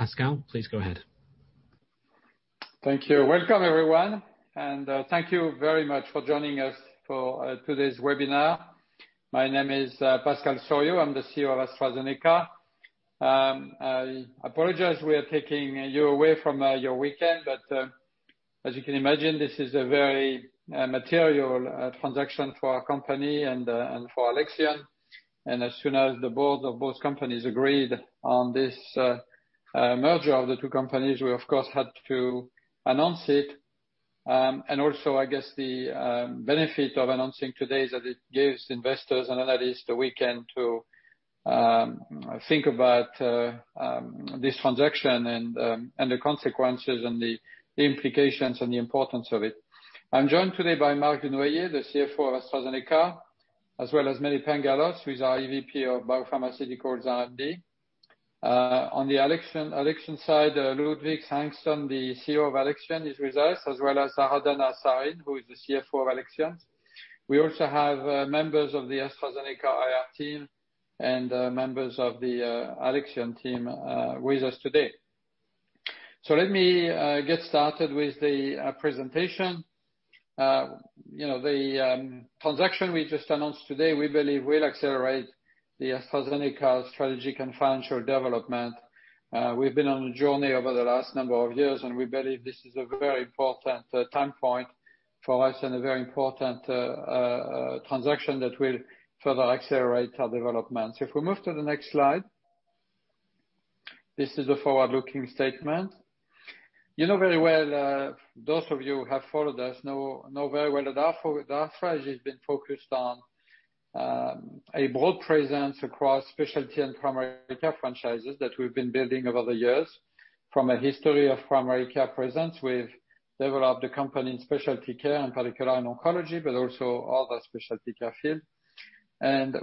Pascal, please go ahead. Thank you. Welcome everyone, and thank you very much for joining us for today's webinar. My name is Pascal Soriot. I'm the CEO of AstraZeneca. I apologize we are taking you away from your weekend, but as you can imagine, this is a very material transaction for our company and for Alexion. As soon as the board of both companies agreed on this merger of the two companies, we of course, had to announce it. I guess the benefit of announcing today is that it gives investors and analysts the weekend to think about this transaction and the consequences and the implications and the importance of it. I'm joined today by Marc Dunoyer, the CFO of AstraZeneca, as well as Mene Pangalos, who is our EVP of BioPharmaceuticals R&D. On the Alexion side, Ludwig Hantson, the Chief Executive Officer of Alexion, is with us, as well as Aradhana Sarin, who is the Chief Financial Officer of Alexion. We also have members of the AstraZeneca IR team and members of the Alexion team with us today. Let me get started with the presentation. The transaction we just announced today, we believe will accelerate the AstraZeneca strategy and financial development. We've been on a journey over the last number of years, and we believe this is a very important time point for us and a very important transaction that will further accelerate our development. If we move to the next slide. This is a forward-looking statement. Those of you who have followed us know very well that our strategy has been focused on a broad presence across specialty and primary care franchises that we've been building over the years. From a history of primary care presence, we've developed the company in specialty care, in particular in oncology, but also other specialty care field.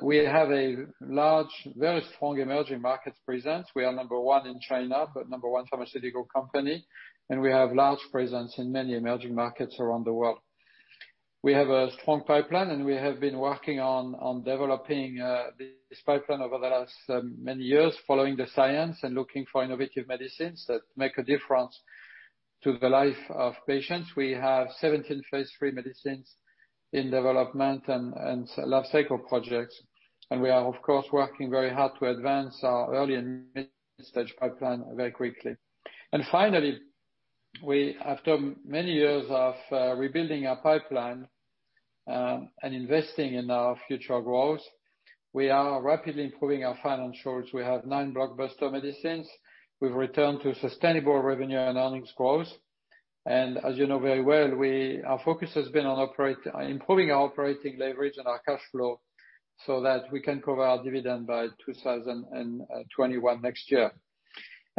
We have a large, very strong emerging markets presence. We are number one in China, number one pharmaceutical company, and we have large presence in many emerging markets around the world. We have a strong pipeline, we have been working on developing this pipeline over the last many years, following the science and looking for innovative medicines that make a difference to the life of patients. We have 17 phase III medicines in development and lifecycle projects, we are, of course, working very hard to advance our early- and mid-stage pipeline very quickly. Finally, after many years of rebuilding our pipeline and investing in our future growth, we are rapidly improving our financials. We have nine blockbuster medicines. We've returned to sustainable revenue and earnings growth. As you know very well, our focus has been on improving our operating leverage and our cash flow so that we can cover our dividend by 2021 next year.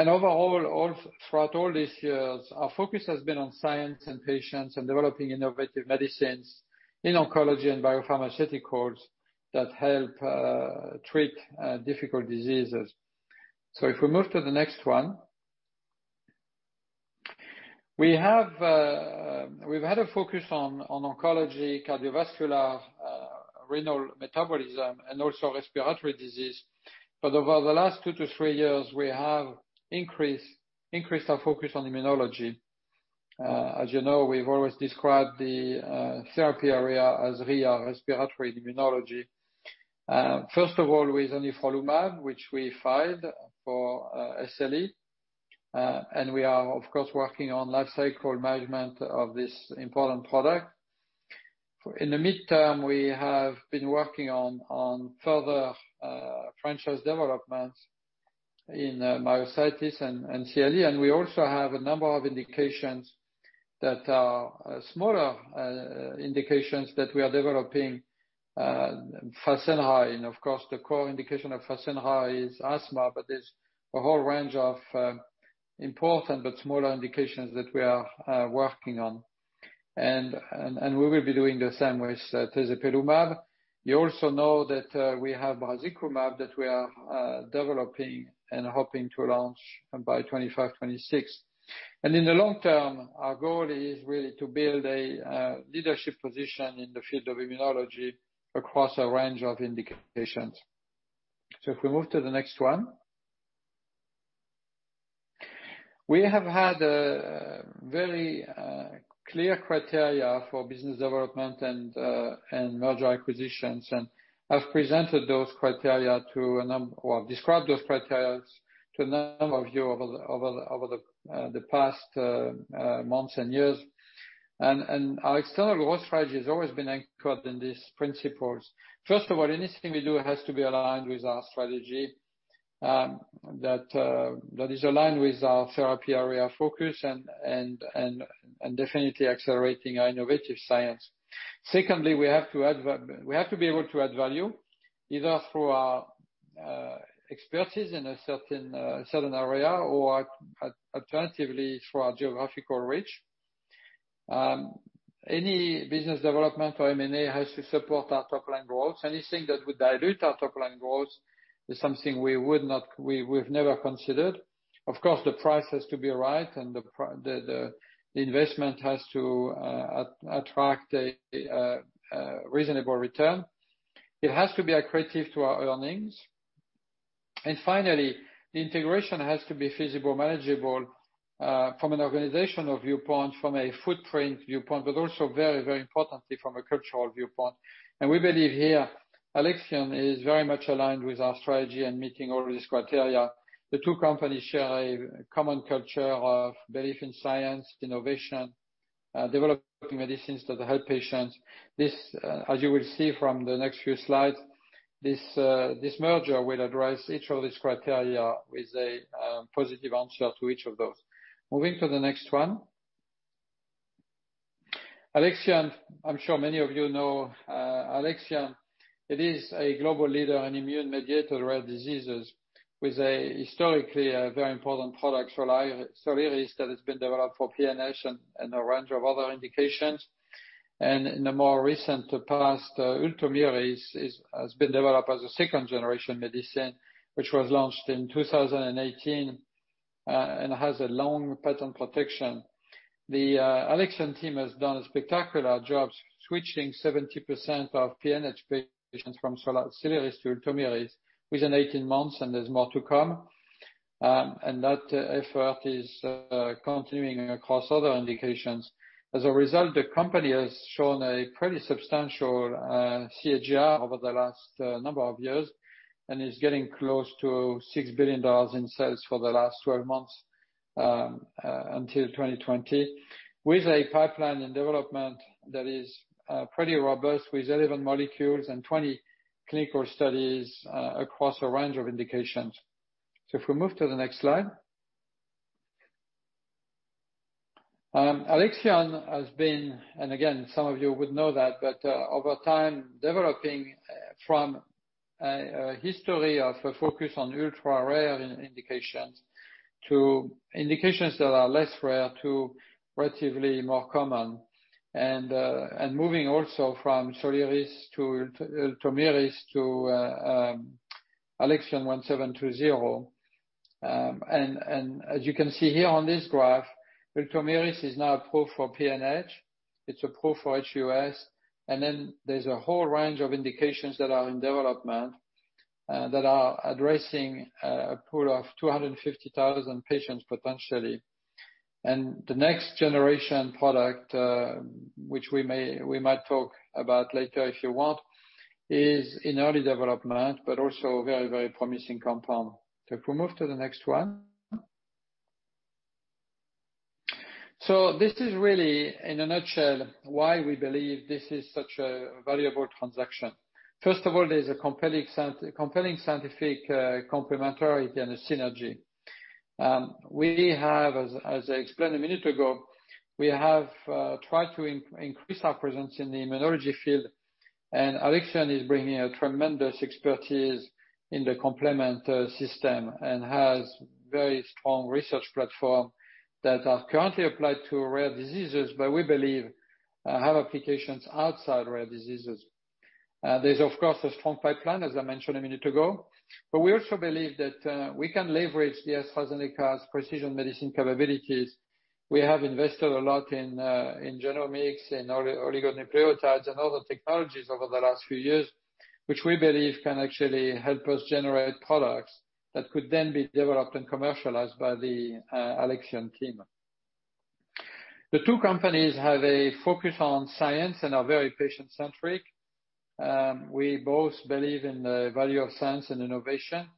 Overall, throughout all these years, our focus has been on science and patients and developing innovative medicines in oncology and biopharmaceuticals that help treat difficult diseases. If we move to the next one. We've had a focus on oncology, cardiovascular, renal metabolism, and also respiratory disease. Over the last two to three years, we have increased our focus on immunology. As you know, we've always described the therapy area as R&I, respiratory immunology. First of all, with anifrolumab, which we filed for SLE, and we are, of course, working on life cycle management of this important product. In the midterm, we have been working on further franchise developments in myositis and CLE, and we also have a number of indications that are smaller indications that we are developing Fasenra, and of course, the core indication of Fasenra is asthma, but there's a whole range of important but smaller indications that we are working on. We will be doing the same with tezepelumab. You also know that we have mepolizumab that we are developing and hoping to launch by 2025, 2026. In the long term, our goal is really to build a leadership position in the field of immunology across a range of indications. If we move to the next one. We have had a very clear criteria for business development and merger acquisitions, and I've described those criteria to a number of you over the past months and years. Our external growth strategy has always been anchored in these principles. First of all, anything we do has to be aligned with our strategy, that is aligned with our therapy area of focus and definitely accelerating our innovative science. Secondly, we have to be able to add value, either through our expertise in a certain area or alternatively, through our geographical reach. Any business development for M&A has to support our top-line growth. Anything that would dilute our top-line growth is something we've never considered. Of course, the price has to be right, and the investment has to attract a reasonable return. It has to be accretive to our earnings. Finally, the integration has to be feasible, manageable from an organizational viewpoint, from a footprint viewpoint, but also very, very importantly, from a cultural viewpoint. We believe here, Alexion is very much aligned with our strategy in meeting all of these criteria. The two companies share a common culture of belief in science, innovation, developing medicines that help patients. This, as you will see from the next few slides, this merger will address each of these criteria with a positive answer to each of those. Moving to the next one. Alexion, I'm sure many of you know Alexion. It is a global leader in immune-mediated rare diseases with a historically very important product, Soliris, that has been developed for PNH and a range of other indications. In the more recent past, Ultomiris has been developed as a second-generation medicine, which was launched in 2018, and has a long patent protection. The Alexion team has done a spectacular job switching 70% of PNH patients from Soliris to Ultomiris within 18 months. There's more to come. That effort is continuing across other indications. As a result, the company has shown a pretty substantial CAGR over the last number of years and is getting close to $6 billion in sales for the last 12 months, until 2020. With a pipeline in development that is pretty robust, with 11 molecules and 20 clinical studies across a range of indications. If we move to the next slide. Alexion has been, again, some of you would know that, over time, developing from a history of a focus on ultra-rare in indications to indications that are less rare to relatively more common. Moving also from Soliris to Ultomiris to ALXN1720. As you can see here on this graph, Ultomiris is now approved for PNH. It's approved for HUS. Then there's a whole range of indications that are in development, that are addressing a pool of 250,000 patients potentially. The next generation product, which we might talk about later if you want, is in early development, but also very, very promising compound. If we move to the next one. This is really, in a nutshell, why we believe this is such a valuable transaction. First of all, there's a compelling scientific complementarity and a synergy. We have, as I explained a minute ago, we have tried to increase our presence in the immunology field, and Alexion is bringing a tremendous expertise in the complement system and has very strong research platform that are currently applied to rare diseases, but we believe have applications outside rare diseases. There's, of course, a strong pipeline, as I mentioned a minute ago. We also believe that we can leverage the AstraZeneca's precision medicine capabilities. We have invested a lot in genomics, in oligonucleotides, and other technologies over the last few years, which we believe can actually help us generate products that could then be developed and commercialized by the Alexion team. The two companies have a focus on science and are very patient-centric. We both believe in the value of science and innovation.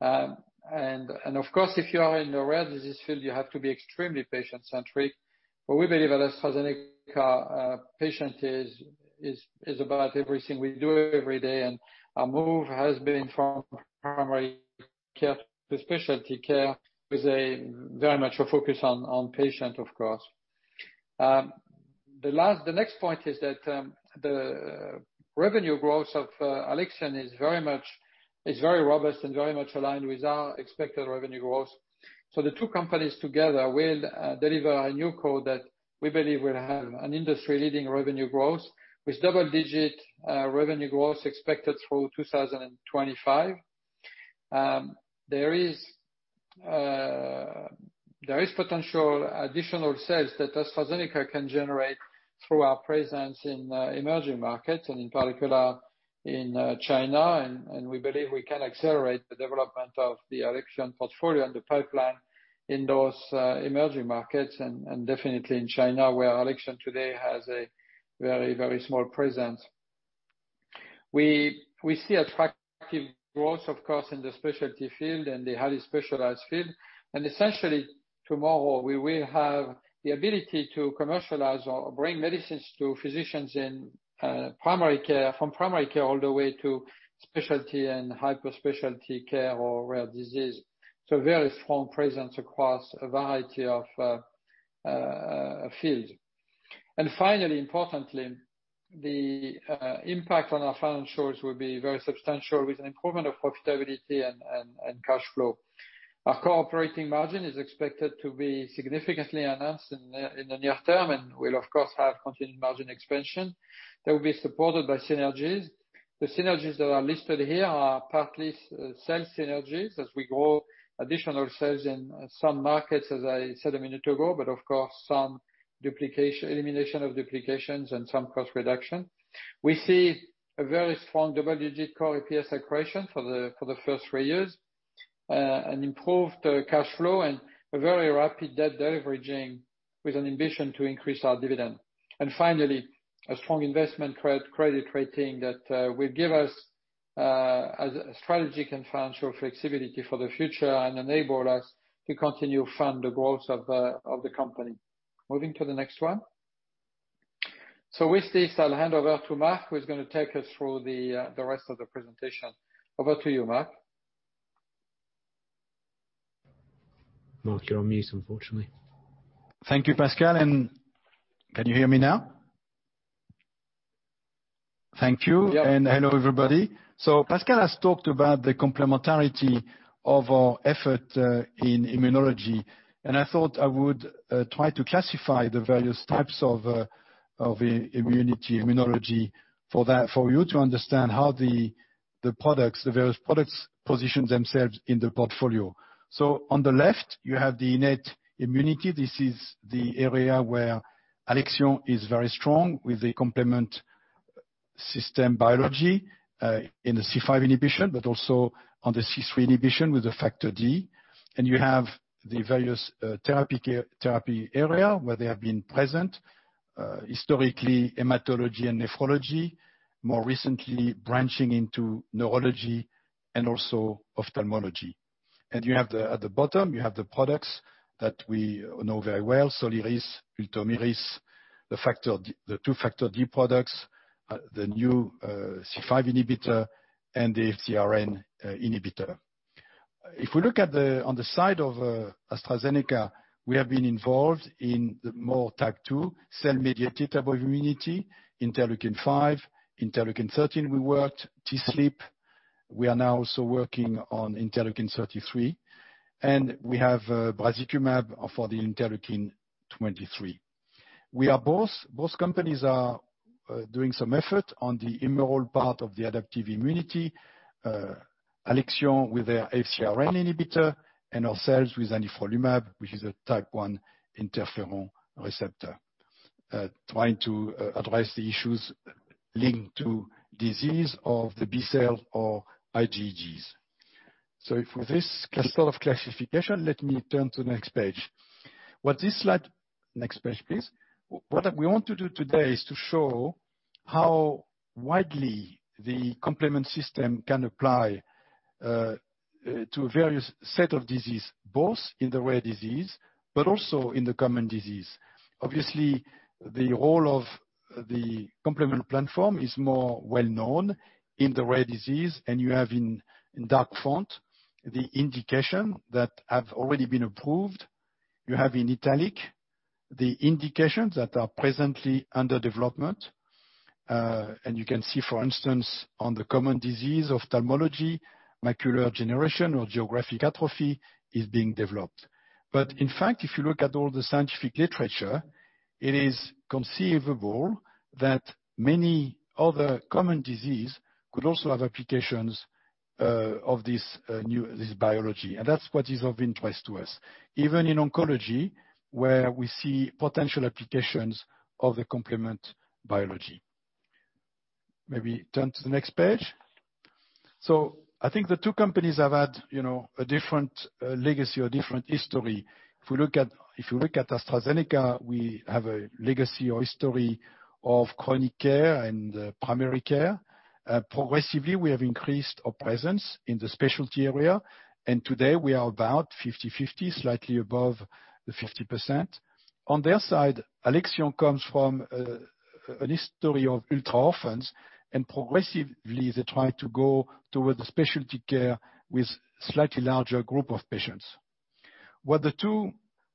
Of course, if you are in the rare disease field, you have to be extremely patient-centric. We believe at AstraZeneca, patient is about everything we do every day, and our move has been from primary care to specialty care with very much a focus on patient, of course. The next point is that the revenue growth of Alexion is very robust and very much aligned with our expected revenue growth. The two companies together will deliver a new co that we believe will have an industry-leading revenue growth, with double-digit revenue growth expected through 2025. There is potential additional sales that AstraZeneca can generate through our presence in emerging markets and in particular in China, and we believe we can accelerate the development of the Alexion portfolio and the pipeline in those emerging markets and definitely in China, where Alexion today has a very, very small presence. We see attractive growth, of course, in the specialty field and the highly specialized field. Essentially, tomorrow, we will have the ability to commercialize or bring medicines to physicians in primary care, from primary care all the way to specialty and hyper-specialty care or rare disease. A very strong presence across a variety of field. Finally, importantly, the impact on our financials will be very substantial with an improvement of profitability and cash flow. Our core operating margin is expected to be significantly enhanced in the near term, and we'll of course have continued margin expansion that will be supported by synergies. The synergies that are listed here are partly sales synergies as we grow additional sales in some markets, as I said a minute ago, but of course, some elimination of duplications and some cost reduction. We see a very strong double-digit core EPS accretion for the first three years, an improved cash flow, and very rapid debt de-leveraging with an ambition to increase our dividend. Finally, a strong investment credit rating that will give us a strategic and financial flexibility for the future and enable us to continue to fund the growth of the company. Moving to the next one. With this, I'll hand over to Marc, who is going to take us through the rest of the presentation. Over to you, Marc. Marc, you're on mute, unfortunately. Thank you, Pascal. Can you hear me now? Thank you. Yeah. Hello, everybody. Pascal has talked about the complementarity of our effort in immunology, and I thought I would try to classify the various types of immunity, immunology for you to understand how the various products position themselves in the portfolio. On the left, you have the innate immunity. This is the area where Alexion is very strong with the complement system biology, in the C5 inhibition, but also on the C3 inhibition with the Factor D. You have the various therapy area where they have been present. Historically, hematology and nephrology, more recently branching into neurology and also ophthalmology. At the bottom, you have the products that we know very well, Soliris, Ultomiris, the two Factor D products, the new C5 inhibitor, and the FcRn inhibitor. If we look on the side of AstraZeneca, we have been involved in more type 2 cell-mediated type of immunity, interleukin-5, interleukin-13 we worked, TSLP. We are now also working on interleukin-33. We have mepolizumab for the interleukin-23. Both companies are doing some effort on the immune part of the adaptive immunity. Alexion with their FcRn inhibitor. Ourselves with anifrolumab, which is a type 1 interferon receptor, trying to address the issues linked to disease of the B cell or IgGs. With this sort of classification, let me turn to the next page. Next page, please. What we want to do today is to show how widely the complement system can apply to various set of disease, both in the rare disease but also in the common disease. Obviously, the role of the complement platform is more well-known in the rare disease, and you have in dark font the indication that have already been approved. You have in italic the indications that are presently under development. You can see, for instance, on the common disease, ophthalmology, macular degeneration or geographic atrophy is being developed. In fact, if you look at all the scientific literature, it is conceivable that many other common disease could also have applications of this biology, and that's what is of interest to us, even in oncology, where we see potential applications of the complement biology. Maybe turn to the next page. I think the two companies have had a different legacy or different history. If you look at AstraZeneca, we have a legacy or history of chronic care and primary care. Progressively, we have increased our presence in the specialty area, and today we are about 50/50, slightly above the 50%. On their side, Alexion comes from a history of ultra orphans, and progressively, they try to go toward the specialty care with slightly larger group of patients. What the two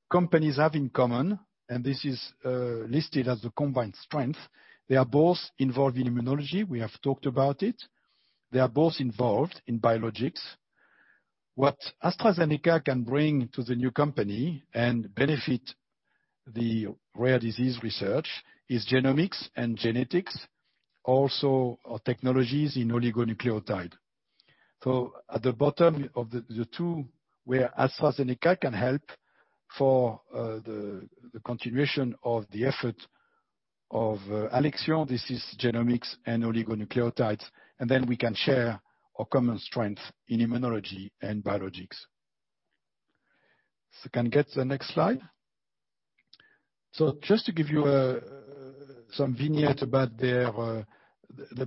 companies have in common, and this is listed as the combined strength, they are both involved in immunology. We have talked about it. They are both involved in biologics. What AstraZeneca can bring to the new company and benefit the rare disease research is genomics and genetics, also our technologies in oligonucleotide. At the bottom of the two, where AstraZeneca can help for the continuation of the effort of Alexion, this is genomics and oligonucleotides, and then we can share our common strength in immunology and biologics. Can I get the next slide? Just to give you some vignette about the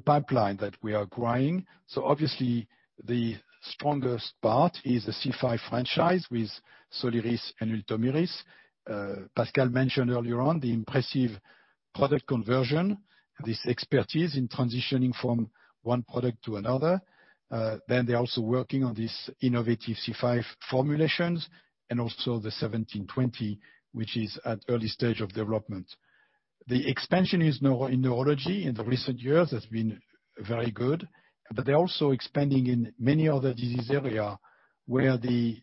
pipeline that we are growing. Obviously, the strongest part is the C5 franchise with Soliris and Ultomiris. Pascal mentioned earlier on the impressive product conversion, this expertise in transitioning from one product to another. They're also working on these innovative C5 formulations and also the 1720, which is at early stage of development. The expansion in neurology in the recent years has been very good, but they're also expanding in many other disease area where the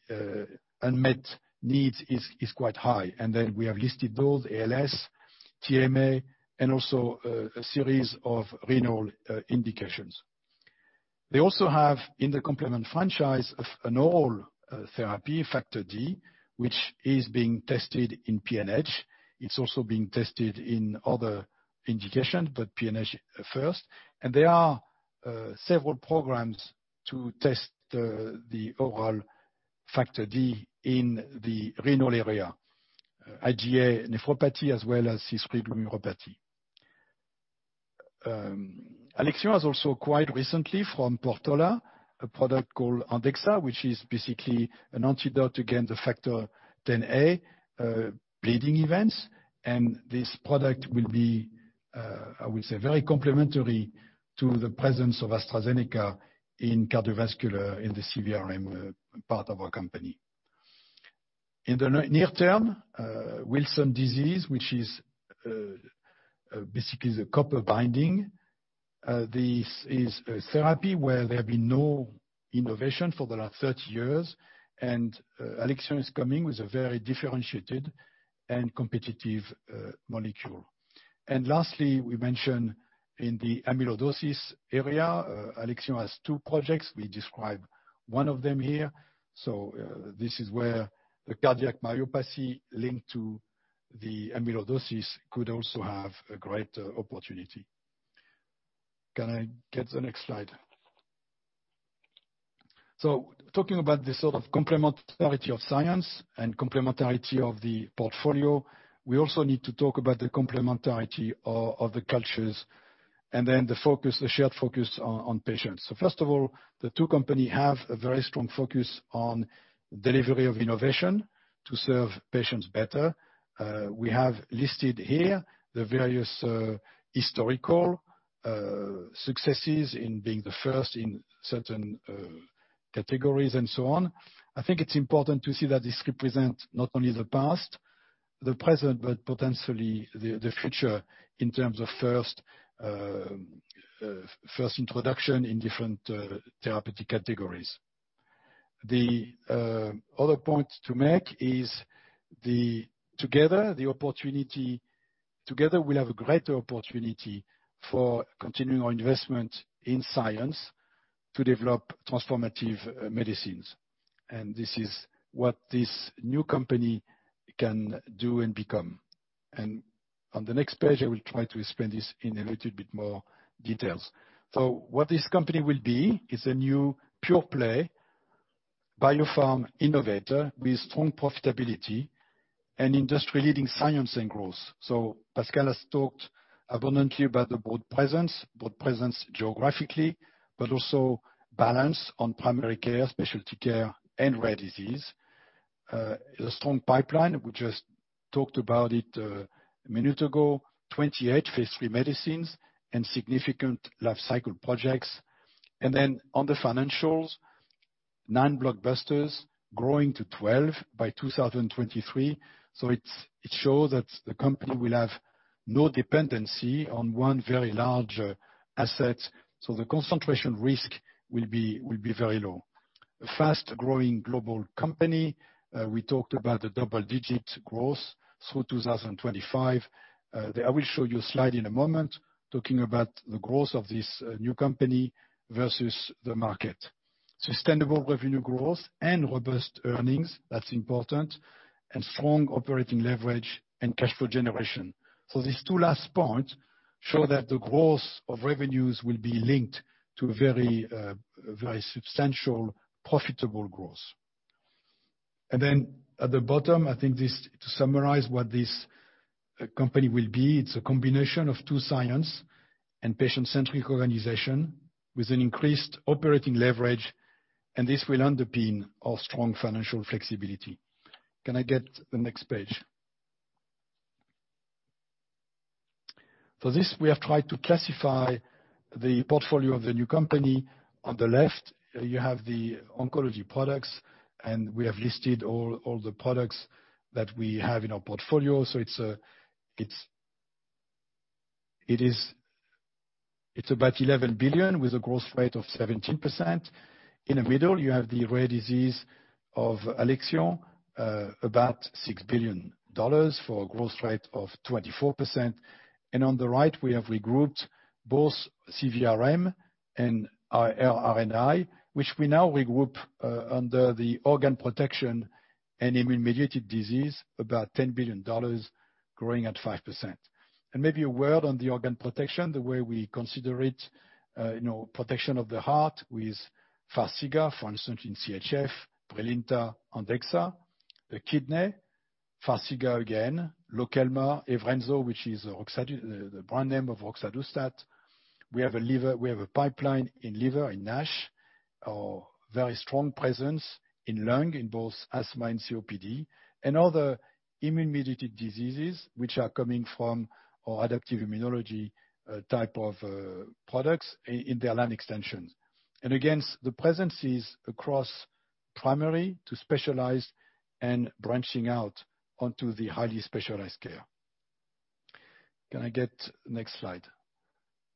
unmet needs is quite high. We have listed those, ALS, TMA, and also a series of renal indications. They also have, in the complement franchise, an oral therapy, Factor D, which is being tested in PNH. It's also being tested in other indications, but PNH first. There are several programs to test the oral Factor D in the renal area, IgA nephropathy as well as neuropathy. Alexion has also acquired recently from Portola a product called ANDEXXA, which is basically an antidote against the Factor Xa bleeding events. This product will be, I would say, very complementary to the presence of AstraZeneca in cardiovascular in the CVRM part of our company. In the near term, Wilson disease, which is basically the copper binding, this is a therapy where there have been no innovation for the last 30 years, and Alexion is coming with a very differentiated and competitive molecule. Lastly, we mentioned in the amyloidosis area, Alexion has two projects. We describe one of them here. This is where the cardiomyopathy linked to the amyloidosis could also have a great opportunity. Can I get the next slide? Talking about the sort of complementarity of science and complementarity of the portfolio, we also need to talk about the complementarity of the cultures and then the shared focus on patients. First of all, the two company have a very strong focus on delivery of innovation to serve patients better. We have listed here the various historical successes in being the first in certain categories and so on. I think it's important to see that this represents not only the past, the present, but potentially the future in terms of first introduction in different therapeutic categories. The other point to make is together we have a greater opportunity for continuing our investment in science to develop transformative medicines. This is what this new company can do and become. On the next page, I will try to explain this in a little bit more details. What this company will be is a new pure-play biopharm innovator with strong profitability and industry-leading science and growth. Pascal Soriot has talked abundantly about the broad presence geographically, but also balance on primary care, specialty care, and rare disease. A strong pipeline, we just talked about it a minute ago. 28 phase III medicines and significant life cycle projects. On the financials, nine blockbusters growing to 12 by 2023. It shows that the company will have no dependency on one very large asset, so the concentration risk will be very low. A fast-growing global company. We talked about the double-digit growth through 2025. I will show you a slide in a moment talking about the growth of this new company versus the market. Sustainable revenue growth and robust earnings, that's important, and strong operating leverage and cash flow generation. These two last points show that the growth of revenues will be linked to very substantial profitable growth. At the bottom, I think to summarize what this company will be, it's a combination of two science and patient-centric organization with an increased operating leverage, and this will underpin our strong financial flexibility. Can I get the next page? This, we have tried to classify the portfolio of the new company. On the left, you have the oncology products, and we have listed all the products that we have in our portfolio. It's about $11 billion with a growth rate of 17%. In the middle, you have the rare disease of Alexion, about $6 billion for a growth rate of 24%. On the right, we have regrouped both CVRM and R&I, which we now regroup under the organ protection and immune-mediated disease, about $10 billion growing at 5%. Maybe a word on the organ protection, the way we consider it, protection of the heart with Farxiga, for instance, in CHF, Brilinta, ANDEXXA. The kidney, Farxiga again, LOKELMA, Evrenzo, which is the brand name of roxadustat. We have a pipeline in liver, in NASH. Our very strong presence in lung, in both asthma and COPD. Other immune-mediated diseases, which are coming from our adaptive immunology type of products in their line extensions. Again, the presence is across primary to specialized and branching out onto the highly specialized care. Can I get next slide?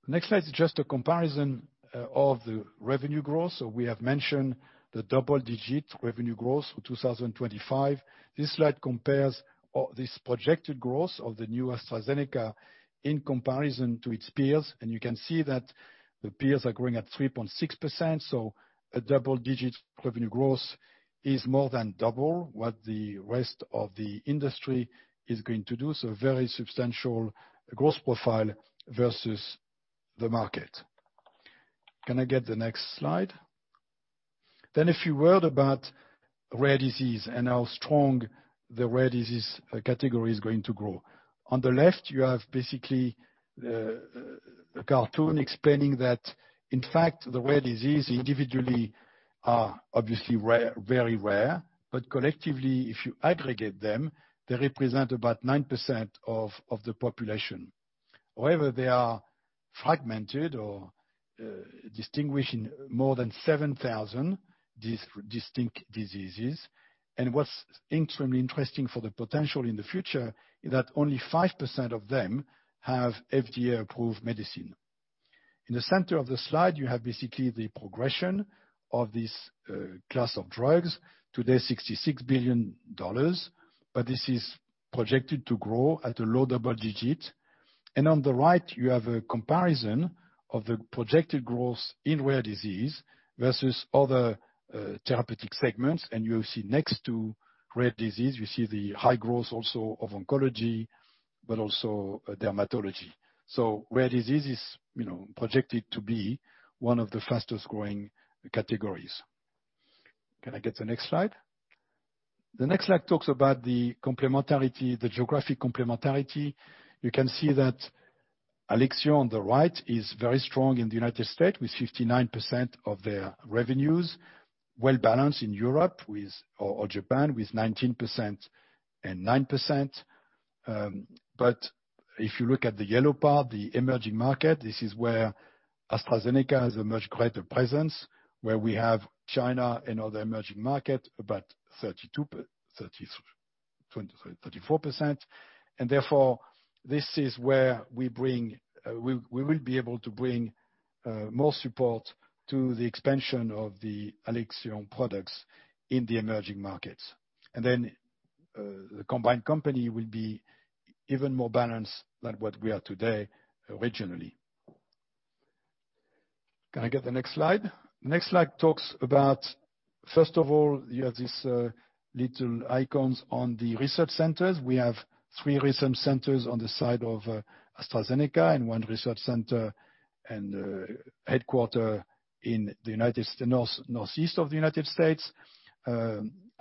Next slide is just a comparison of the revenue growth. We have mentioned the double-digit revenue growth for 2025. This slide compares this projected growth of the new AstraZeneca in comparison to its peers. You can see that the peers are growing at 3.6%, a double-digit revenue growth is more than double what the rest of the industry is going to do. Very substantial growth profile versus the market. Can I get the next slide? A few word about rare disease and how strong the rare disease category is going to grow. On the left you have basically a cartoon explaining that, in fact, the rare disease individually are obviously very rare, but collectively, if you aggregate them, they represent about 9% of the population. However, they are fragmented or distinguished in more than 7,000 distinct diseases. What's extremely interesting for the potential in the future is that only 5% of them have FDA-approved medicine. In the center of the slide, you have basically the progression of this class of drugs. Today, $66 billion, but this is projected to grow at a low double-digit. On the right, you have a comparison of the projected growth in rare disease versus other therapeutic segments. You will see next to rare disease, you see the high growth also of oncology, but also dermatology. Rare disease is projected to be one of the fastest-growing categories. Can I get the next slide? The next slide talks about the complementarity, the geographic complementarity. You can see that Alexion on the right is very strong in the United States, with 59% of their revenues. Well-balanced in Europe or Japan with 19% and 9%. If you look at the yellow part, the emerging market, this is where AstraZeneca has a much greater presence, where we have China and other emerging market, about 34%. Therefore, this is where we will be able to bring more support to the expansion of the Alexion products in the emerging markets. The combined company will be even more balanced than what we are today originally. Can I get the next slide? Next slide talks about, first of all, you have these little icons on the research centers. We have three research centers on the side of AstraZeneca and one research center and headquarter in the northeast of the U.S.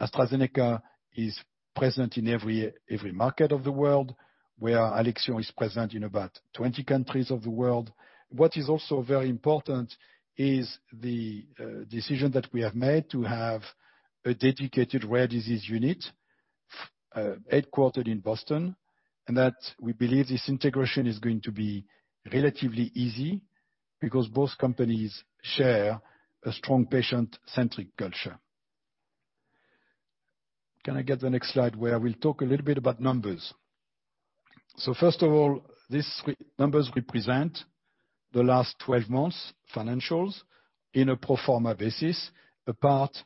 AstraZeneca is present in every market of the world, where Alexion is present in about 20 countries of the world. What is also very important is the decision that we have made to have a dedicated rare disease unit, headquartered in Boston, and that we believe this integration is going to be relatively easy because both companies share a strong patient-centric culture. Can I get the next slide, where I will talk a little bit about numbers? First of all, these numbers represent the last 12 months financials in a pro forma basis, apart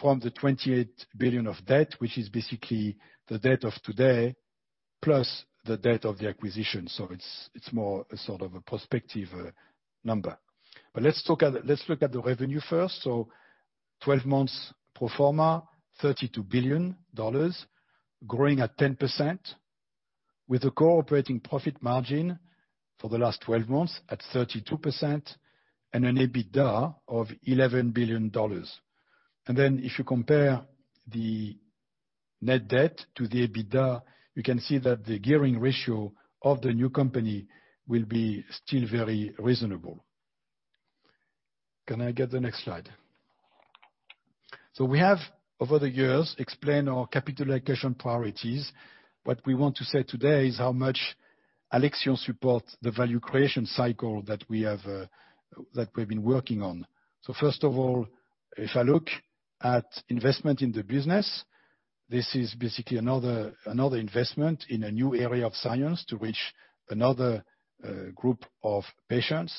from the $28 billion of debt, which is basically the debt of today plus the debt of the acquisition. It's more a sort of a prospective number. Let's look at the revenue first. 12 months pro forma, $32 billion, growing at 10%, with a core operating profit margin for the last 12 months at 32%, and an EBITDA of $11 billion. If you compare the net debt to the EBITDA, you can see that the gearing ratio of the new company will be still very reasonable. Can I get the next slide? We have, over the years, explained our capital allocation priorities. What we want to say today is how much Alexion supports the value creation cycle that we've been working on. First of all, if I look at investment in the business, this is basically another investment in a new area of science to reach another group of patients.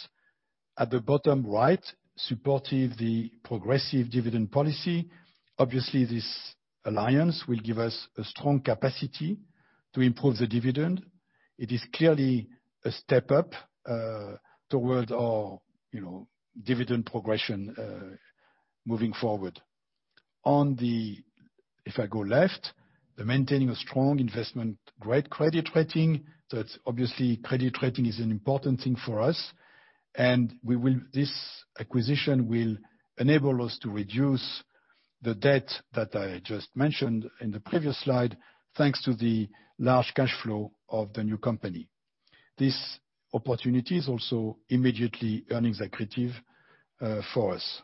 At the bottom right, supporting the progressive dividend policy. Obviously, this alliance will give us a strong capacity to improve the dividend. It is clearly a step up towards our dividend progression moving forward. If I go left, maintaining a strong investment grade credit rating. Obviously credit rating is an important thing for us. This acquisition will enable us to reduce the debt that I just mentioned in the previous slide, thanks to the large cash flow of the new company. This opportunity is also immediately earnings accretive for us.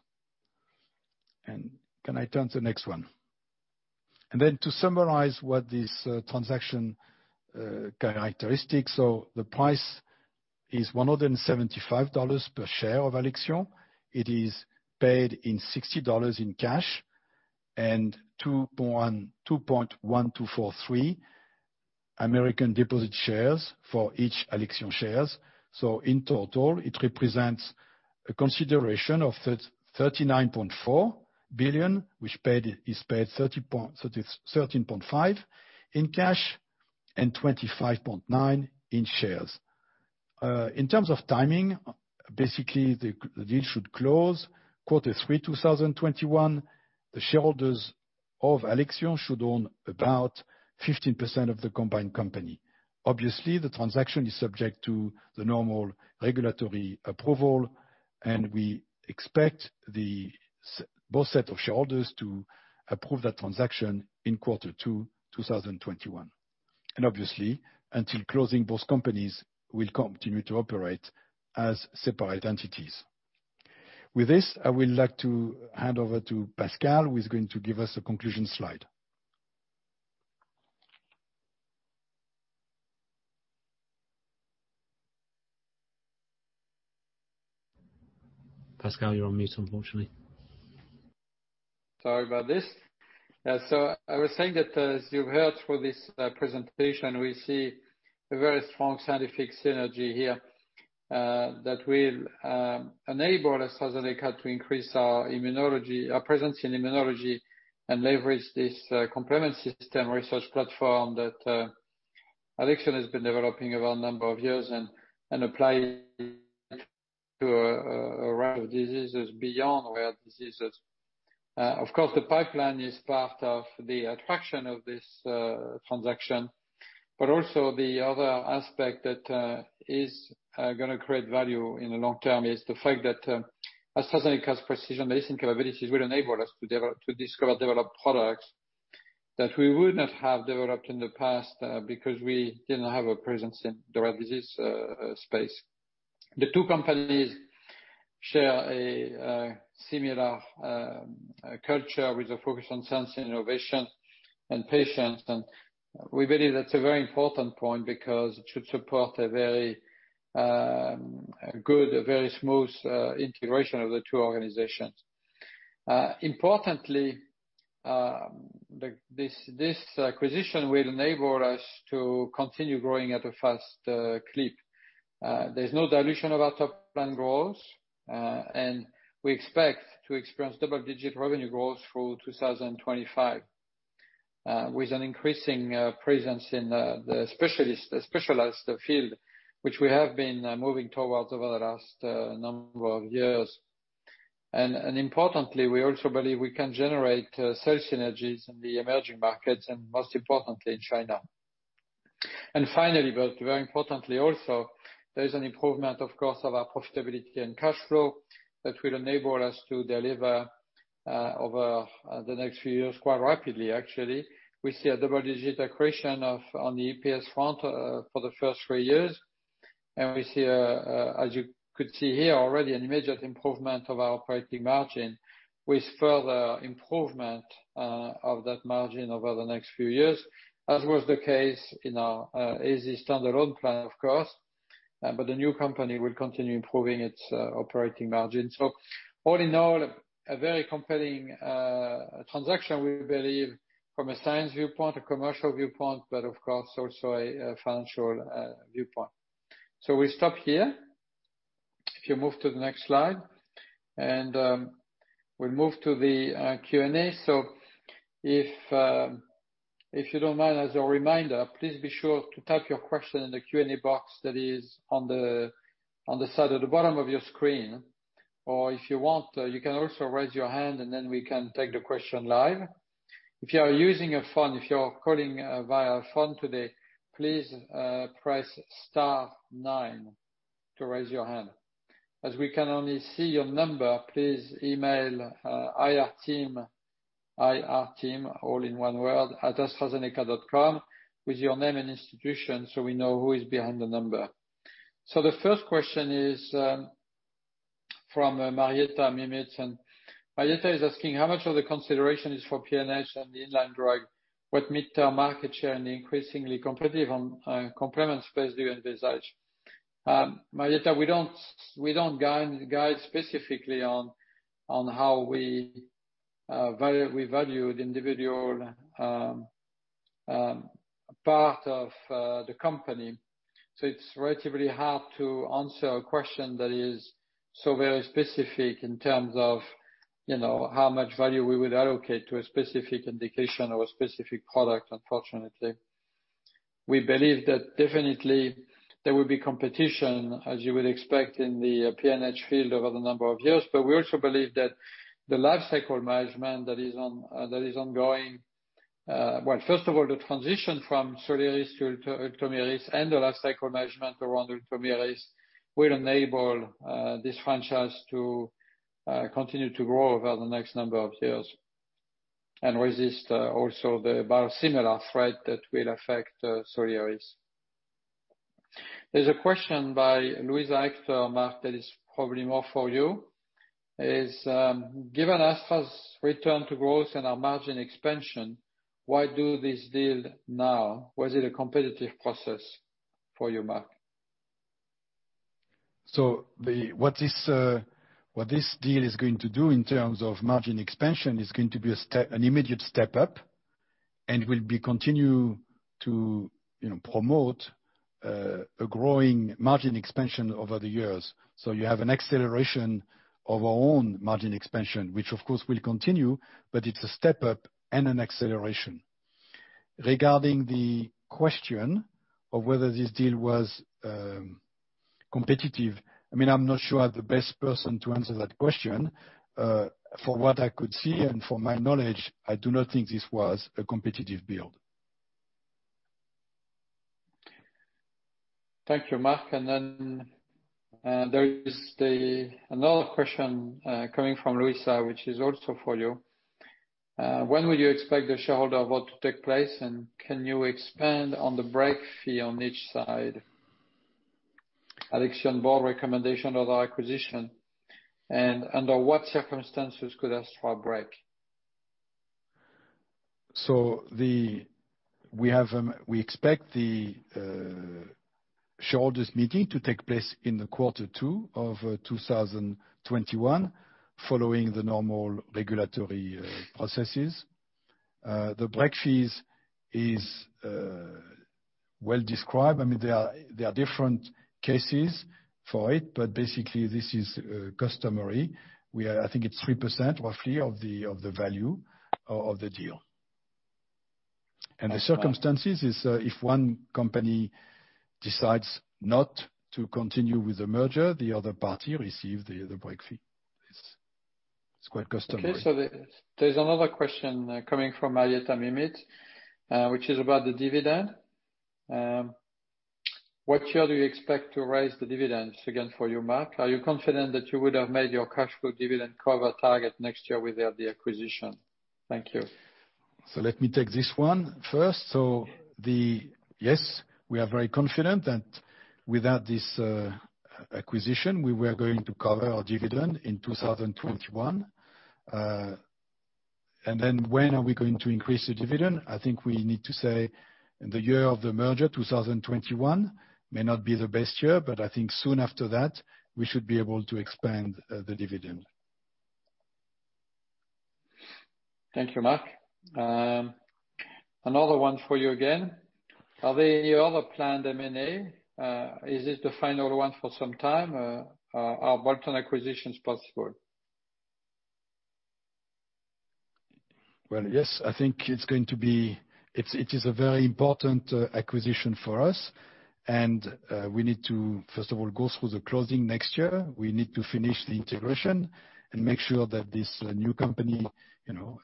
Can I turn to the next one? To summarize what this transaction characteristics, the price is $175 per share of Alexion. It is paid in $60 in cash and 2.1243 American Depositary Shares for each Alexion shares. In total, it represents a consideration of $39.4 billion, which is paid $13.5 in cash and 25.9 in shares. In terms of timing, basically, the deal should close quarter three 2021. The shareholders of Alexion should own about 15% of the combined company. Obviously, the transaction is subject to the normal regulatory approval, and we expect both set of shareholders to approve that transaction in quarter 2 2021. Obviously, until closing, both companies will continue to operate as separate entities. With this, I would like to hand over to Pascal, who is going to give us a conclusion slide. Pascal, you're on mute, unfortunately. Sorry about this. I was saying that, as you heard through this presentation, we see a very strong scientific synergy here, that will enable AstraZeneca to increase our presence in immunology and leverage this complement system research platform that Alexion has been developing over a number of years and applying it to a range of diseases beyond rare diseases. Of course, the pipeline is part of the attraction of this transaction, but also the other aspect that is going to create value in the long term is the fact that AstraZeneca's precision medicine capabilities will enable us to discover and develop products that we would not have developed in the past, because we didn't have a presence in the rare disease space. The two companies share a similar culture with a focus on science, innovation, and patients. We believe that's a very important point because it should support a very good, a very smooth integration of the two organizations. Importantly, this acquisition will enable us to continue growing at a fast clip. There's no dilution of our top-line growth. We expect to experience double-digit revenue growth through 2025, with an increasing presence in the specialized field, which we have been moving towards over the last number of years. Importantly, we also believe we can generate sales synergies in the emerging markets, and most importantly, China. Finally, but very importantly also, there is an improvement, of course, of our profitability and cash flow that will enable us to deliver over the next few years, quite rapidly actually. We see a double-digit accretion on the EPS front for the first three years. We see, as you could see here already, an immediate improvement of our operating margin with further improvement of that margin over the next few years, as was the case in our AZ standalone plan, of course. The new company will continue improving its operating margin. All in all, a very compelling transaction, we believe, from a science viewpoint, a commercial viewpoint, but of course, also a financial viewpoint. We stop here. If you move to the next slide. We'll move to the Q&A. If you don't mind, as a reminder, please be sure to type your question in the Q&A box that is on the side at the bottom of your screen. If you want, you can also raise your hand, and then we can take the question live. If you are using a phone, if you're calling via phone today, please press star nine to raise your hand. As we can only see your number, please email IR team, IRteam, all in one word, @astrazeneca.com with your name and institution so we know who is behind the number. The first question is from Marietta Miemietz, and Marietta is asking, "How much of the consideration is for PNH and the in-line drug? What mid-term market share in the increasingly competitive complement space do you envisage?" Marietta, we don't guide specifically on how we valued individual part of the company. It's relatively hard to answer a question that is so very specific in terms of how much value we would allocate to a specific indication or a specific product, unfortunately. We believe that definitely there will be competition, as you would expect in the PNH field over the number of years. We also believe that the lifecycle management that is ongoing, well, first of all, the transition from Soliris to Ultomiris and the lifecycle management around Ultomiris will enable this franchise to continue to grow over the next number of years and resist also the biosimilar threat that will affect Soliris. There's a question by Luisa Hector, Marc, that is probably more for you. Given Astra's return to growth and our margin expansion, why do this deal now? Was it a competitive process for you, Marc? What this deal is going to do in terms of margin expansion, is going to be an immediate step up and will continue to promote a growing margin expansion over the years. You have an acceleration of our own margin expansion, which, of course, will continue, but it's a step up and an acceleration. Regarding the question of whether this deal was competitive, I'm not sure I'm the best person to answer that question. For what I could see and from my knowledge, I do not think this was a competitive build. Thank you, Marc. There is another question coming from Luisa, which is also for you. When would you expect the shareholder vote to take place, and can you expand on the break fee on each side? Alexion board recommendation of the acquisition, and under what circumstances could Astra break? We expect the shareholders' meeting to take place in the quarter two of 2021, following the normal regulatory processes. The break fees is well-described. There are different cases for it, but basically, this is customary. I think it's 3% roughly of the value of the deal. The circumstances is, if one company decides not to continue with the merger, the other party receive the other break fee. It's quite customary. Okay, there's another question coming from Marietta Miemietz, which is about the dividend. What year do you expect to raise the dividends? Again, for you, Marc. Are you confident that you would have made your cash flow dividend cover target next year without the acquisition? Thank you. Let me take this one first. Yes, we are very confident that without this acquisition, we were going to cover our dividend in 2021. When are we going to increase the dividend? I think we need to say in the year of the merger, 2021 may not be the best year, but I think soon after that, we should be able to expand the dividend. Thank you, Marc. Another one for you again. Are there any other planned M&A? Is this the final one for some time? Are bolt-on acquisitions possible? Well, yes, I think it is a very important acquisition for us and we need to, first of all, go through the closing next year. We need to finish the integration and make sure that this new company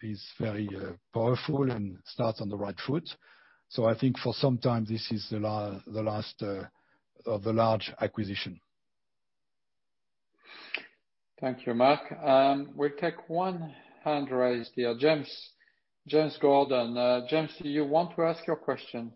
is very powerful and starts on the right foot. I think for some time, this is the last of the large acquisition. Thank you, Marc. We'll take one hand raised here. James Gordon. James, do you want to ask your question?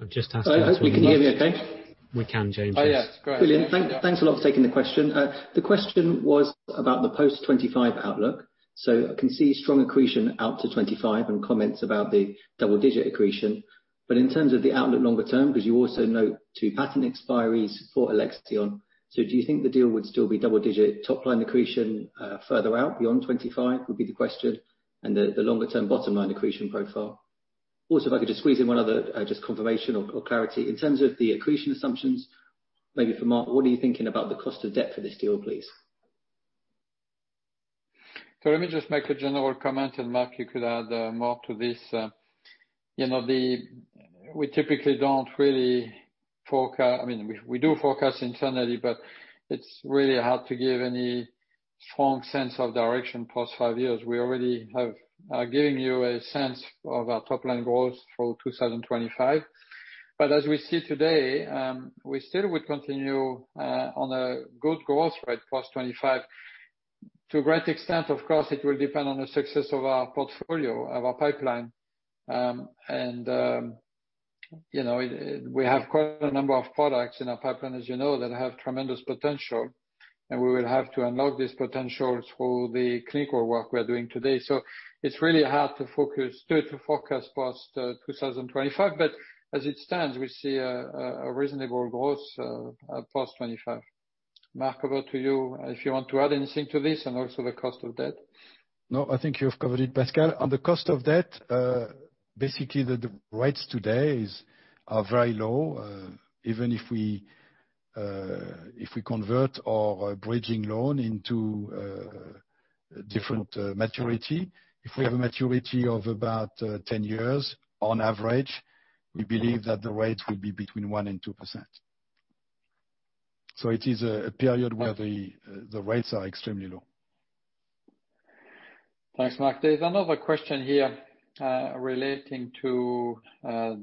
I'm just asking- I hope you can hear me okay. We can, James. Oh, yes. Go ahead. Brilliant. Thanks a lot for taking the question. The question was about the post-2025 outlook. I can see strong accretion out to 2025 and comments about the double-digit accretion. In terms of the outlook longer term, because you also note two patent expiries for Alexion, do you think the deal would still be double-digit top line accretion further out beyond 2025, would be the question, and the longer term bottom line accretion profile? If I could just squeeze in one other just confirmation or clarity. In terms of the accretion assumptions, maybe for Marc, what are you thinking about the cost of debt for this deal, please? Let me just make a general comment, and Marc, you could add more to this. We do forecast internally, but it's really hard to give any strong sense of direction post five years. We already have given you a sense of our top line growth for 2025. As we see today, we still would continue on a good growth rate post 2025. To a great extent, of course, it will depend on the success of our portfolio, of our pipeline. We have quite a number of products in our pipeline, as you know, that have tremendous potential, and we will have to unlock this potential through the clinical work we're doing today. It's really hard to forecast past 2025, but as it stands, we see a reasonable growth past 2025. Marc, over to you if you want to add anything to this, and also the cost of debt. No, I think you've covered it, Pascal. On the cost of debt, basically, the rates today are very low. Even if we convert our bridging loan into a different maturity. If we have a maturity of about 10 years, on average, we believe that the rates will be between one and two%. It is a period where the rates are extremely low. Thanks, Marc. There's another question here relating to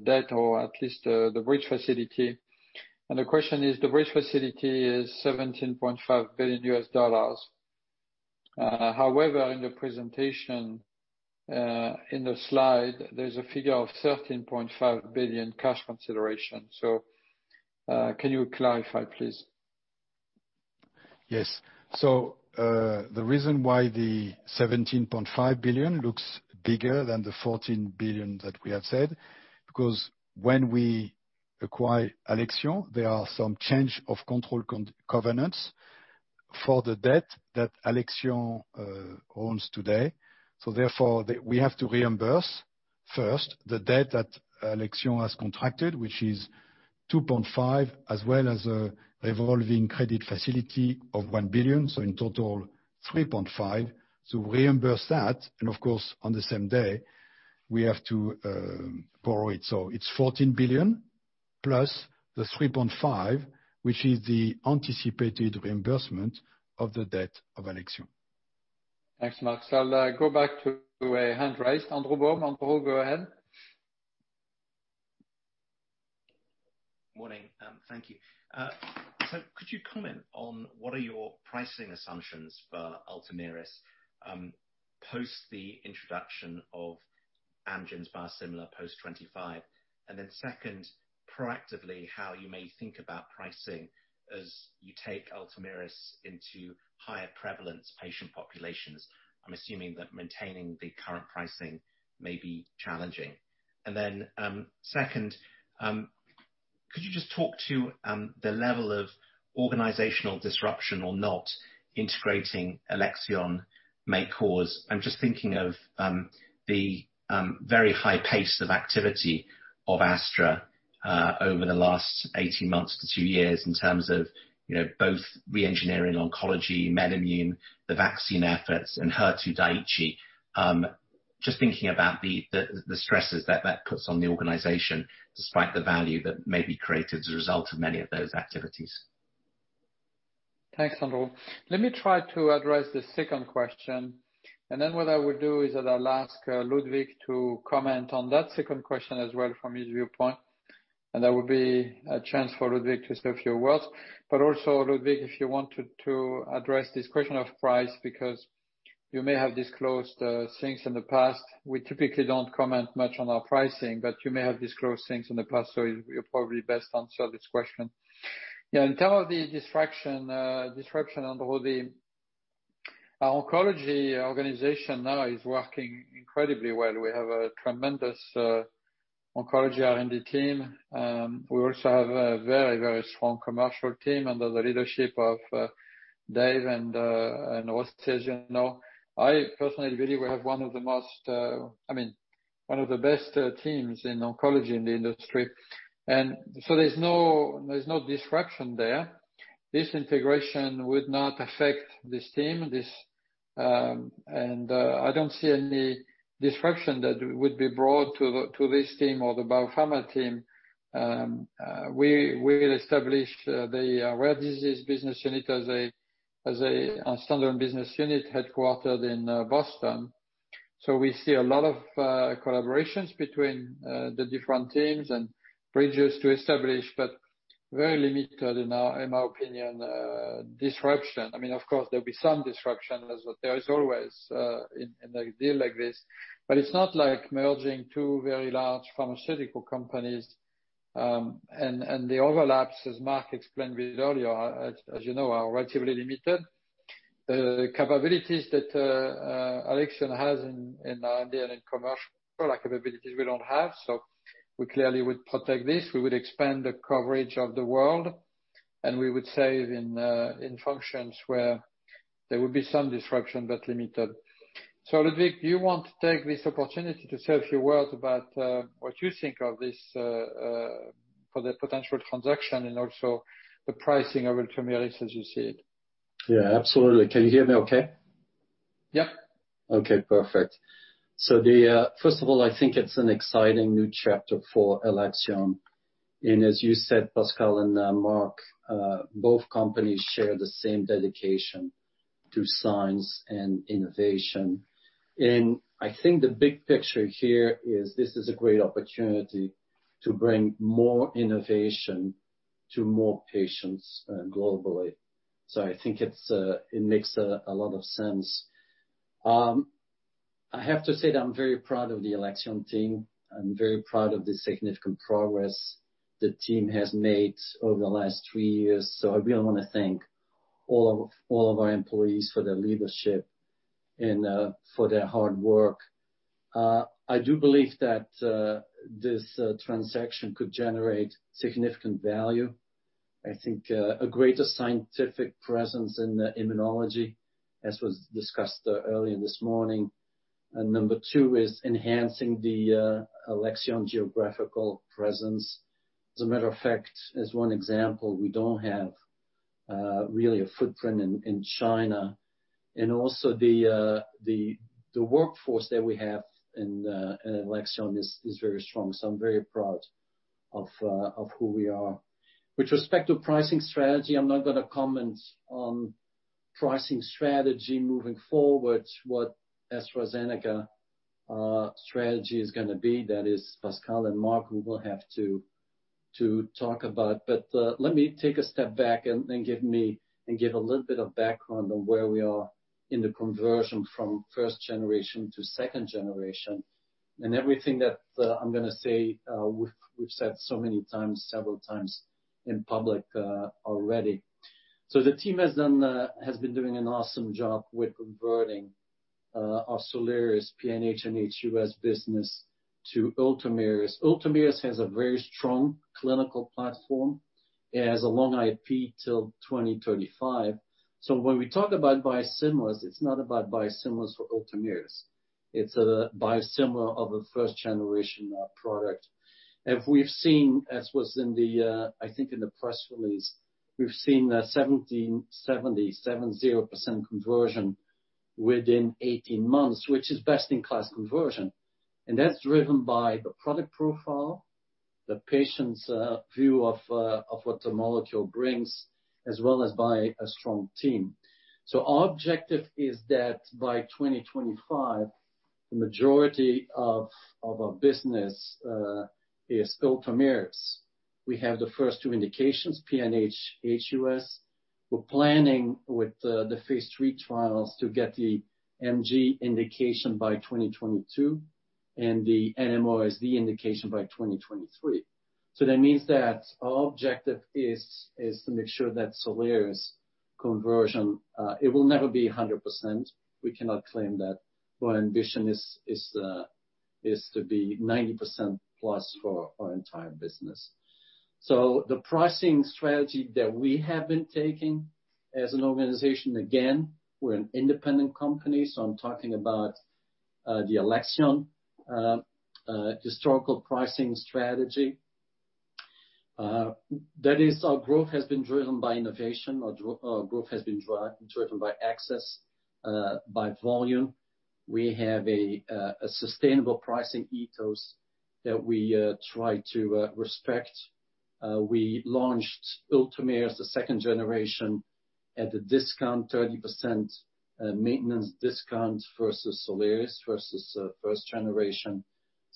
debt or at least the bridge facility. The question is, "The bridge facility is $17.5 billion U.S." However, in the presentation, in the slide, there's a figure of $13.5 billion cash consideration. Can you clarify, please? Yes. The reason why the $17.5 billion looks bigger than the $14 billion that we have said, because when we acquire Alexion, there are some change of control covenants for the debt that Alexion owns today. Therefore, we have to reimburse first the debt that Alexion has contracted, which is $2.5 billion, as well as a revolving credit facility of $1 billion. In total, $3.5 billion to reimburse that, and of course, on the same day, we have to borrow it. It's $14 billion plus the $3.5 billion, which is the anticipated reimbursement of the debt of Alexion. Thanks, Marc. I'll go back to a hand raised. Andrew Baum. Andrew, go ahead. Morning. Thank you. Could you comment on what are your pricing assumptions for Ultomiris post the introduction of Amgen's biosimilar post-2025? Second, proactively, how you may think about pricing as you take Ultomiris into higher prevalence patient populations. I'm assuming that maintaining the current pricing may be challenging. Second, could you just talk to the level of organizational disruption or not integrating Alexion may cause? I'm just thinking of the very high pace of activity of Astra, over the last 18 months to two years in terms of both re-engineering oncology, MedImmune, the vaccine efforts, and HER2 Daiichi. Just thinking about the stresses that that puts on the organization, despite the value that may be created as a result of many of those activities. Thanks, Andrew. Let me try to address the second question, and then what I will do is that I'll ask Ludwig to comment on that second question as well from his viewpoint, and that would be a chance for Ludwig to say a few words. Also, Ludwig, if you want to address this question of price because you may have disclosed things in the past. We typically don't comment much on our pricing, but you may have disclosed things in the past, so you'll probably best answer this question. Yeah, in terms of the disruption, Andrew, our oncology organization now is working incredibly well. We have a tremendous oncology R&D team. We also have a very strong commercial team under the leadership of Dave and José, as you know. I personally believe we have one of the best teams in oncology in the industry. There's no disruption there. This integration would not affect this team. I don't see any disruption that would be brought to this team or the BioPharma team. We will establish the Rare Disease Business Unit as a standard business unit headquartered in Boston. We see a lot of collaborations between the different teams and bridges to establish, but very limited, in my opinion, disruption. Of course, there'll be some disruption, as there is always in a deal like this. It's not like merging two very large pharmaceutical companies. The overlaps, as Marc explained earlier, as you know, are relatively limited. Capabilities that Alexion has in R&D and in commercial are capabilities we don't have. We clearly would protect this. We would expand the coverage of the world, and we would save in functions where there would be some disruption, but limited. Ludwig, do you want to take this opportunity to say a few words about what you think of this for the potential transaction and also the pricing of Ultomiris as you see it? Yeah, absolutely. Can you hear me okay? Yeah. Okay, perfect. First of all, I think it's an exciting new chapter for Alexion. As you said, Pascal and Marc, both companies share the same dedication to science and innovation. I think the big picture here is this is a great opportunity to bring more innovation to more patients globally. I think it makes a lot of sense. I have to say that I'm very proud of the Alexion team. I'm very proud of the significant progress the team has made over the last three years. I really want to thank all of our employees for their leadership and for their hard work. I do believe that this transaction could generate significant value. I think a greater scientific presence in immunology, as was discussed earlier this morning. Number two is enhancing the Alexion geographical presence. As a matter of fact, as one example, we don't have really a footprint in China. The workforce that we have in Alexion is very strong. I'm very proud of who we are. With respect to pricing strategy, I'm not going to comment on pricing strategy moving forward, what AstraZeneca strategy is going to be. That is Pascal and Marc who will have to talk about. Let me take a step back and give a little bit of background on where we are in the conversion from first generation to second generation. Everything that I'm going to say, we've said so many times, several times in public already. The team has been doing an awesome job with converting our Soliris PNH and HUS business to Ultomiris. Ultomiris has a very strong clinical platform, it has a long IP till 2035. When we talk about biosimilars, it's not about biosimilars for Ultomiris, it's a biosimilar of a first generation product. As was I think in the press release, we've seen a 70% conversion within 18 months, which is best-in-class conversion. That's driven by the product profile, the patient's view of what the molecule brings, as well as by a strong team. Our objective is that by 2025, the majority of our business is Ultomiris. We have the first two indications, PNH, HUS. We're planning with the phase III trials to get the MG indication by 2022, and the NMOSD indication by 2023. That means that our objective is to make sure that Soliris conversion, it will never be 100%. We cannot claim that. Our ambition is to be 90% plus for our entire business. The pricing strategy that we have been taking as an organization, again, we're an independent company, I'm talking about the Alexion historical pricing strategy. That is, our growth has been driven by innovation. Our growth has been driven by access, by volume. We have a sustainable pricing ethos that we try to respect. We launched Ultomiris, the second generation, at a discount, 30% maintenance discount versus Soliris, versus first generation.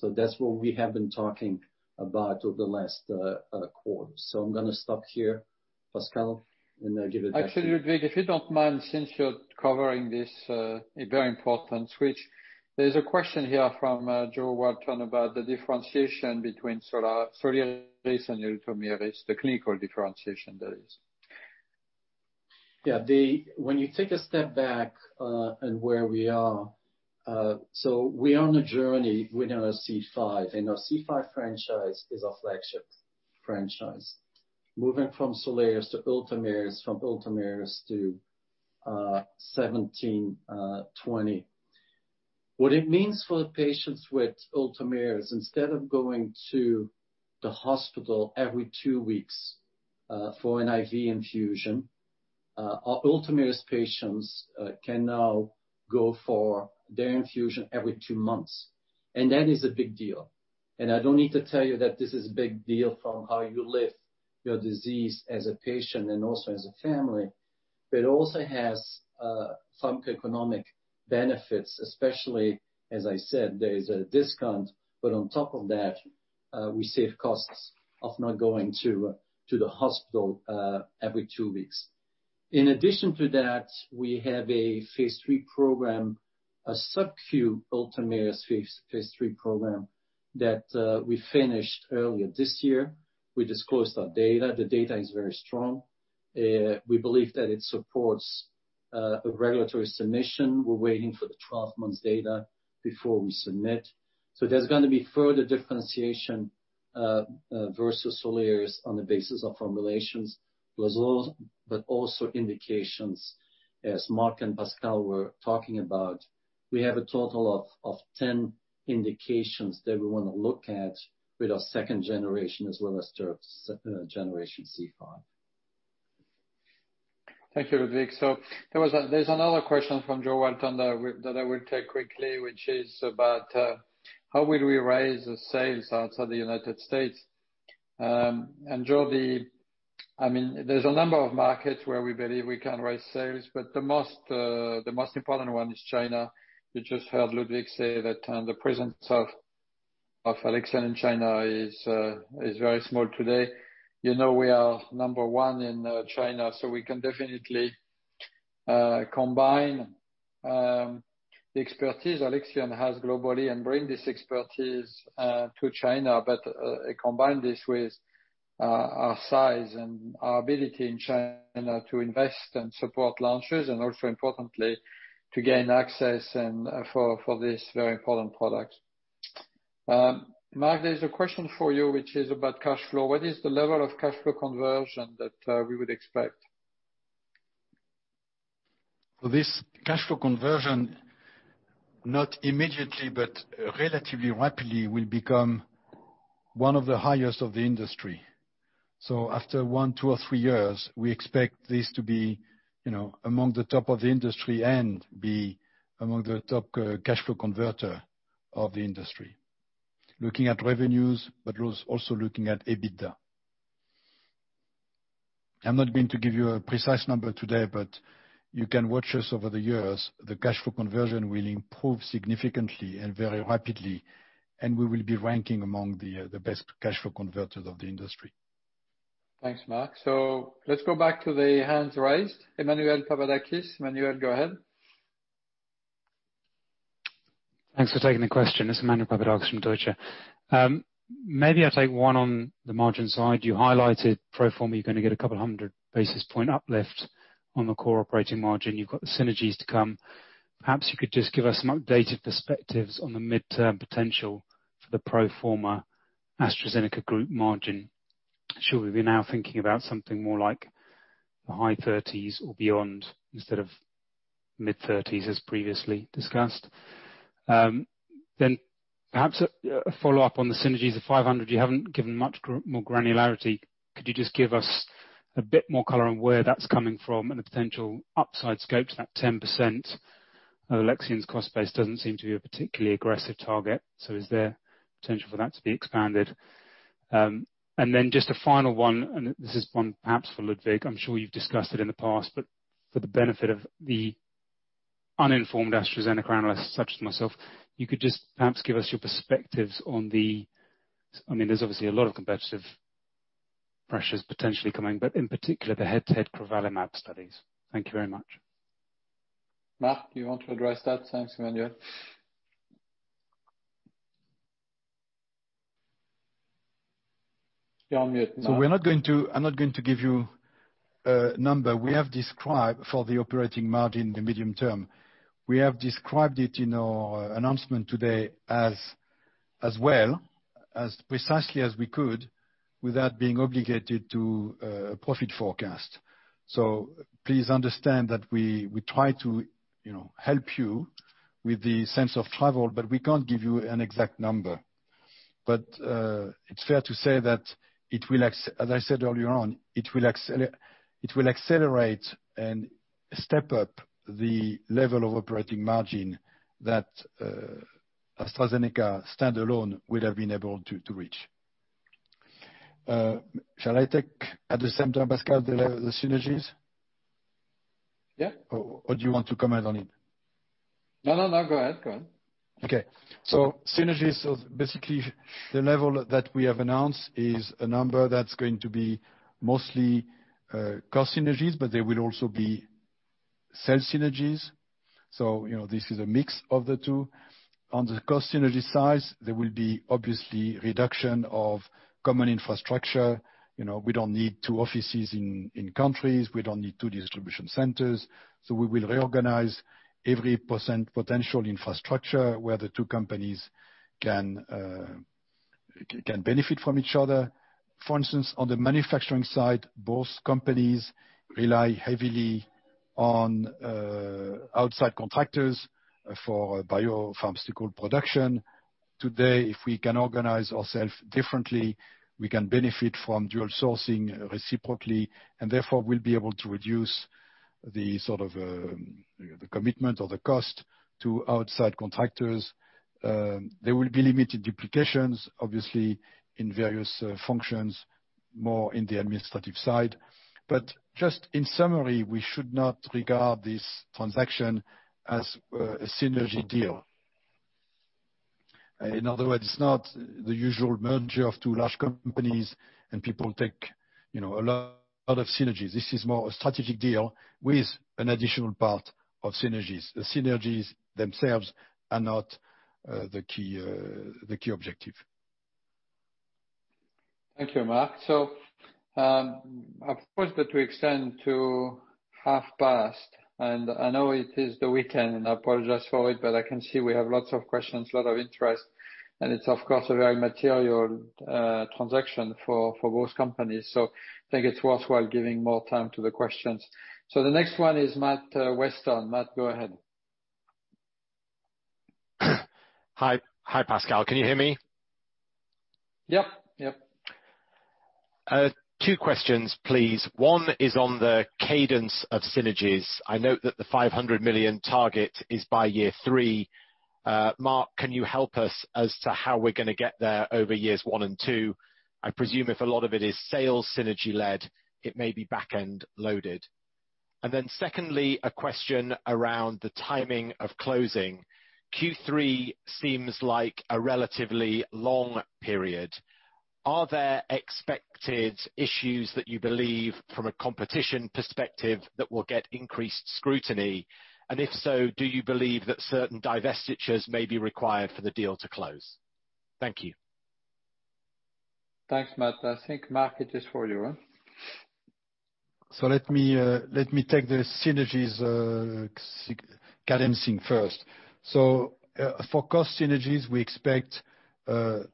That's what we have been talking about over the last quarter. I'm going to stop here, Pascal, and give it back to you. Actually, Ludwig, if you don't mind, since you're covering this very important switch, there's a question here from Jo Walton about the differentiation between Soliris and Ultomiris, the clinical differentiation, that is. When you take a step back on where we are, so we are on a journey with our C5, and our C5 franchise is our flagship franchise. Moving from Soliris to Ultomiris, from Ultomiris to 1720. What it means for the patients with Ultomiris, instead of going to the hospital every two weeks for an IV infusion, our Ultomiris patients can now go for their infusion every two months. That is a big deal. I don't need to tell you that this is a big deal from how you live your disease as a patient and also as a family. It also has some economic benefits, especially, as I said, there is a discount. On top of that, we save costs of not going to the hospital every two weeks. In addition to that, we have a phase III program, a subcu Ultomiris phase III program that we finished earlier this year. We disclosed our data. The data is very strong. We believe that it supports a regulatory submission. We're waiting for the 12 months data before we submit. There's going to be further differentiation versus Soliris on the basis of formulations, but also indications, as Marc and Pascal were talking about. We have a total of 10 indications that we want to look at with our second generation as well as third generation C5. Thank you, Ludwig. There's another question from Jo Walton that I will take quickly, which is about how will we raise the sales outside the U.S.? Jo, there's a number of markets where we believe we can raise sales, but the most important one is China. You just heard Ludwig say that the presence of Alexion in China is very small today. You know we are number one in China, we can definitely combine the expertise Alexion has globally and bring this expertise to China. Combine this with our size and our ability in China to invest and support launches, and also importantly, to gain access for these very important products. Marc, there's a question for you which is about cash flow. What is the level of cash flow conversion that we would expect? For this cash flow conversion, not immediately, but relatively rapidly, will become one of the highest of the industry. After one, two, or three years, we expect this to be among the top of the industry and be among the top cash flow converter of the industry. Looking at revenues, but also looking at EBITDA. I'm not going to give you a precise number today, but you can watch us over the years. The cash flow conversion will improve significantly and very rapidly, and we will be ranking among the best cash flow converters of the industry. Thanks, Marc. Let's go back to the hands raised. Emmanuel Papadakis. Emmanuel, go ahead. Thanks for taking the question. It's Emmanuel Papadakis from Deutsche. Maybe I'll take one on the margin side. You highlighted pro forma, you're going to get a 200 basis points uplift on the core operating margin. You've got the synergies to come. Perhaps you could just give us some updated perspectives on the mid-term potential for the pro forma AstraZeneca group margin. Should we be now thinking about something more like the high 30s or beyond, instead of mid-30s as previously discussed? Perhaps a follow-up on the synergies of $500. You haven't given much more granularity. Could you just give us a bit more color on where that's coming from and the potential upside scope to that 10%? Alexion's cost base doesn't seem to be a particularly aggressive target. Is there potential for that to be expanded? Just a final one, and this is one perhaps for Ludwig. I'm sure you've discussed it in the past, but for the benefit of the uninformed AstraZeneca analysts such as myself, you could just perhaps give us your perspectives. There's obviously a lot of competitive pressures potentially coming, but in particular, the head-to-head crovalimab studies. Thank you very much. Marc, do you want to address that? Thanks, Emmanuel. You're on mute now. I'm not going to give you a number. We have described for the operating margin, the medium term. We have described it in our announcement today as well, as precisely as we could, without being obligated to a profit forecast. Please understand that we try to help you with the sense of travel, but we can't give you an exact number. It's fair to say that, as I said earlier on, it will accelerate and step up the level of operating margin that AstraZeneca standalone would have been able to reach. Shall I take at the same time, Pascal, the synergies? Yeah. Do you want to comment on it? No, go ahead. Okay. Synergies. Basically, the level that we have announced is a number that's going to be mostly cost synergies, but there will also be sales synergies. This is a mix of the two. On the cost synergy side, there will be obviously reduction of common infrastructure. We don't need two offices in countries. We don't need two distribution centers. We will reorganize every potential infrastructure where the two companies can benefit from each other. For instance, on the manufacturing side, both companies rely heavily on outside contractors for biopharmaceutical production. Today, if we can organize ourselves differently, we can benefit from dual sourcing reciprocally, and therefore, we'll be able to reduce the commitment or the cost to outside contractors. There will be limited duplications, obviously, in various functions, more in the administrative side. Just in summary, we should not regard this transaction as a synergy deal. In other words, it's not the usual merger of two large companies and people take a lot of synergies. This is more a strategic deal with an additional part of synergies. The synergies themselves are not the key objective. Thank you, Marc. I've pushed it to extend to half past, and I know it is the weekend, and I apologize for it, but I can see we have lots of questions, a lot of interest, and it's of course, a very material transaction for both companies. I think it's worthwhile giving more time to the questions. The next one is Matt Weston. Matt, go ahead. Hi, Pascal. Can you hear me? Yep. Two questions, please. One is on the cadence of synergies. I note that the $500 million target is by year three. Marc, can you help us as to how we're going to get there over years one and two? Secondly, a question around the timing of closing. Q3 seems like a relatively long period. Are there expected issues that you believe from a competition perspective that will get increased scrutiny? And if so, do you believe that certain divestitures may be required for the deal to close? Thank you. Thanks, Matt. I think Marc, it is for you. Let me take the synergies cadencing first. For cost synergies, we expect the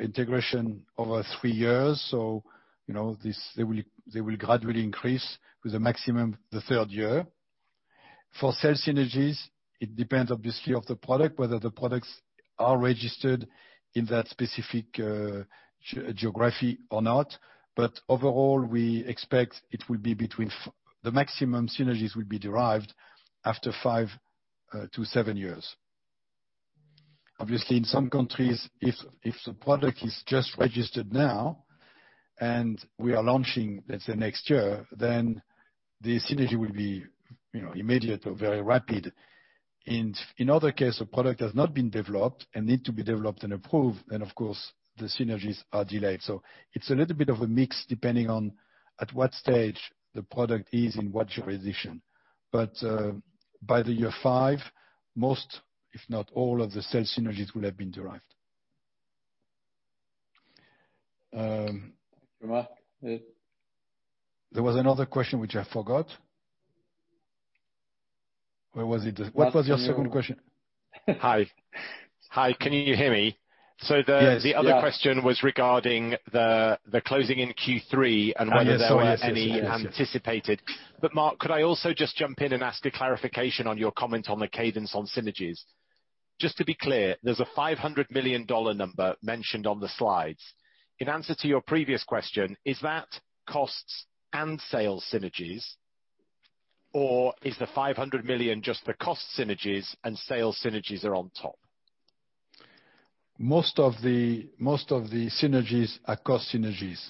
integration over three years. They will gradually increase with a maximum the third year. For sales synergies, it depends, obviously, on the product, whether the products are registered in that specific geography or not. Overall, we expect the maximum synergies will be derived after five to seven years. Obviously, in some countries, if the product is just registered now and we are launching, let's say, next year, then the synergy will be immediate or very rapid. In other cases, a product has not been developed and need to be developed and approved, then of course, the synergies are delayed. It's a little bit of a mix depending on at what stage the product is in what jurisdiction. By the year five, most, if not all, of the sales synergies will have been derived. Thanks, Marc. There was another question which I forgot. Where was it? What was your second question? Hi. Can you hear me? Yes. The other question was regarding the closing in Q3 and whether there were any anticipated. Marc, could I also just jump in and ask a clarification on your comment on the cadence on synergies? To be clear, there's a $500 million number mentioned on the slides. In answer to your previous question, is that costs and sales synergies, or is the $500 million just the cost synergies and sales synergies are on top? Most of the synergies are cost synergies.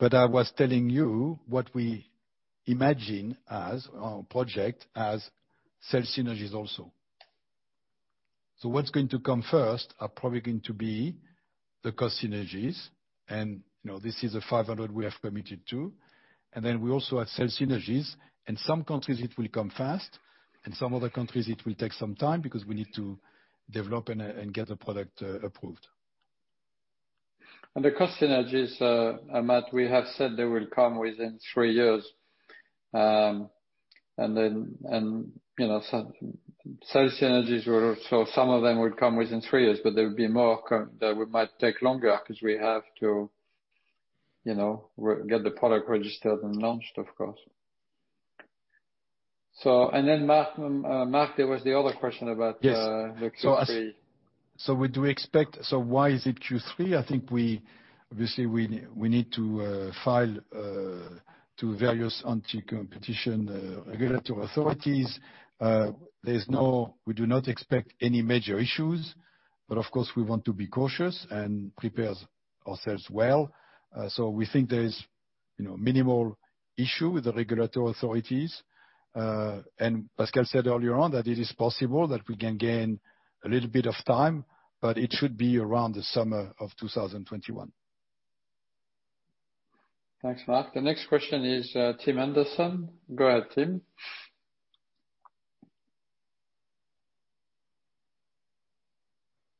I was telling you what we imagine as our project as sales synergies also. What's going to come first are probably going to be the cost synergies, and this is the $500 we have committed to. Then we also have sales synergies. In some countries, it will come fast. In some other countries, it will take some time because we need to develop and get the product approved. The cost synergies, Matt, we have said they will come within three years. Some sales synergies, some of them would come within three years, but there would be more that might take longer because we have to get the product registered and launched, of course. Marc, there was the other question. Yes The Q3. Why is it Q3? I think, obviously, we need to file to various anti-competition regulatory authorities. We do not expect any major issues, but of course, we want to be cautious and prepare ourselves well. We think there is minimal issue with the regulatory authorities. Pascal said earlier on that it is possible that we can gain a little bit of time, but it should be around the summer of 2021. Thanks, Marc. The next question is Tim Anderson. Go ahead, Tim.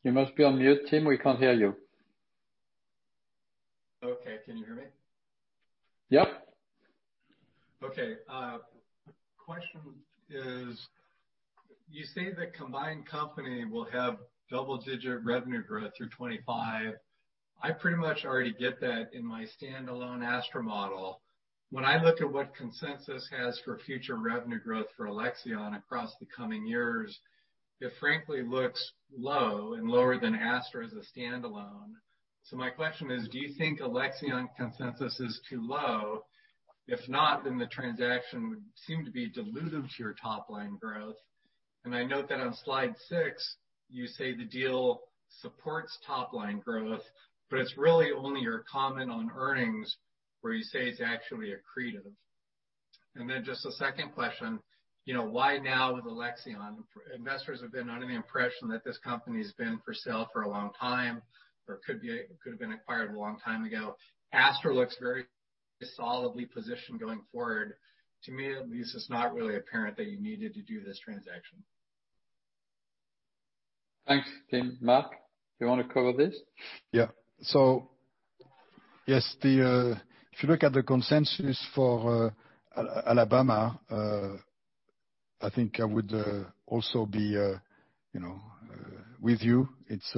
You must be on mute, Tim. We can't hear you. Okay. Can you hear me? Yep. Okay. Question is, you say the combined company will have double-digit revenue growth through 2025. I pretty much already get that in my standalone Astra model. When I look at what consensus has for future revenue growth for Alexion across the coming years, it frankly looks low and lower than Astra as a standalone. My question is, do you think Alexion consensus is too low? If not, then the transaction would seem to be dilutive to your top-line growth. I note that on slide six, you say the deal supports top-line growth, but it's really only your comment on earnings where you say it's actually accretive. Just a second question. Why now with Alexion? Investors have been under the impression that this company has been for sale for a long time or could have been acquired a long time ago. Astra looks very solidly positioned going forward. To me at least, it's not really apparent that you needed to do this transaction. Thanks, Tim. Marc, do you want to cover this? Yeah. Yes, if you look at the consensus for Alexion, I think I would also be with you. It's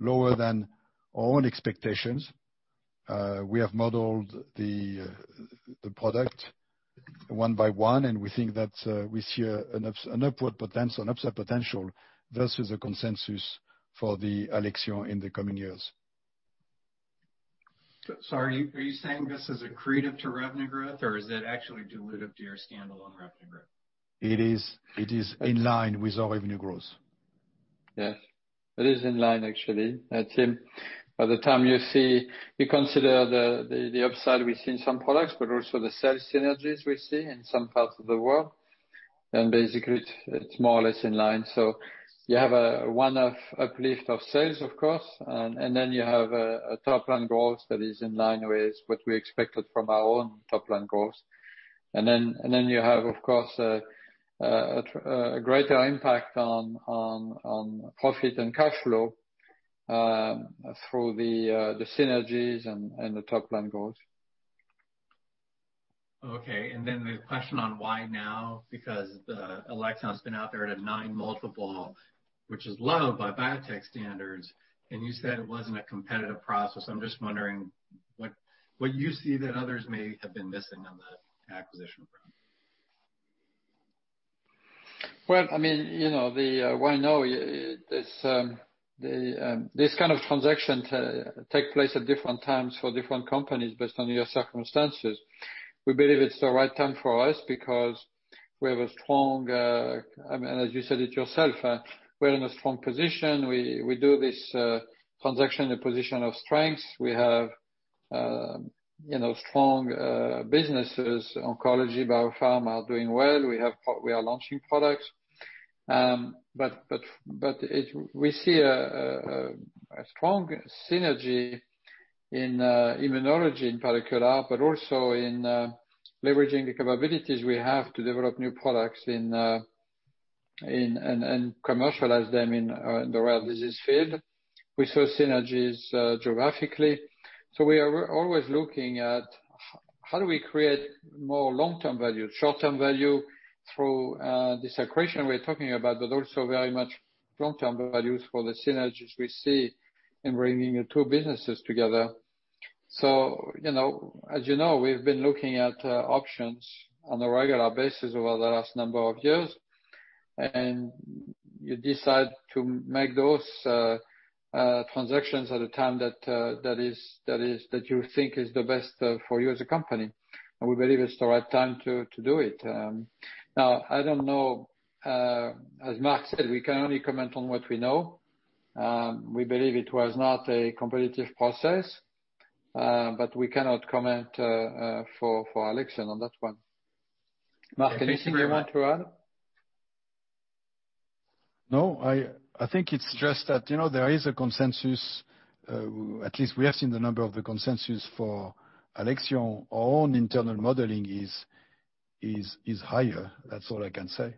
lower than our own expectations. We have modeled the product one by one, and we think that we see an upward potential, an upside potential versus the consensus for the Alexion in the coming years. Sorry, are you saying this is accretive to revenue growth, or is it actually dilutive to your standalone revenue growth? It is in line with our revenue growth. Yes. It is in line, actually. Tim, by the time you see, we consider the upside we see in some products, but also the sales synergies we see in some parts of the world. Basically, it's more or less in line. You have a one-off uplift of sales, of course, and then you have a top-line growth that is in line with what we expected from our own top-line growth. You have, of course, a greater impact on profit and cash flow through the synergies and the top-line growth. Okay. The question on why now, because Alexion's been out there at a nine multiple, which is low by biotech standards. You said it wasn't a competitive process. I'm just wondering what you see that others may have been missing on the acquisition front. Well, the why now is. This kind of transaction take place at different times for different companies based on your circumstances. We believe it's the right time for us because we have a strong, and as you said it yourself, we're in a strong position. We do this transaction in a position of strength. We have strong businesses. Oncology, BioPharm are doing well. We are launching products. We see a strong synergy in immunology in particular, but also in leveraging the capabilities we have to develop new products and commercialize them in the rare disease field. We saw synergies geographically. We are always looking at how do we create more long-term value, short-term value through this accretion we're talking about, but also very much long-term values for the synergies we see in bringing the two businesses together. As you know, we've been looking at options on a regular basis over the last number of years, and you decide to make those transactions at a time that you think is the best for you as a company. We believe it's the right time to do it. I don't know, as Marc said, we can only comment on what we know. We believe it was not a competitive process, but we cannot comment for Alexion on that one. Marc, anything you want to add? No, I think it's just that there is a consensus, at least we have seen the number of the consensus for Alexion. Our own internal modeling is higher. That's all I can say.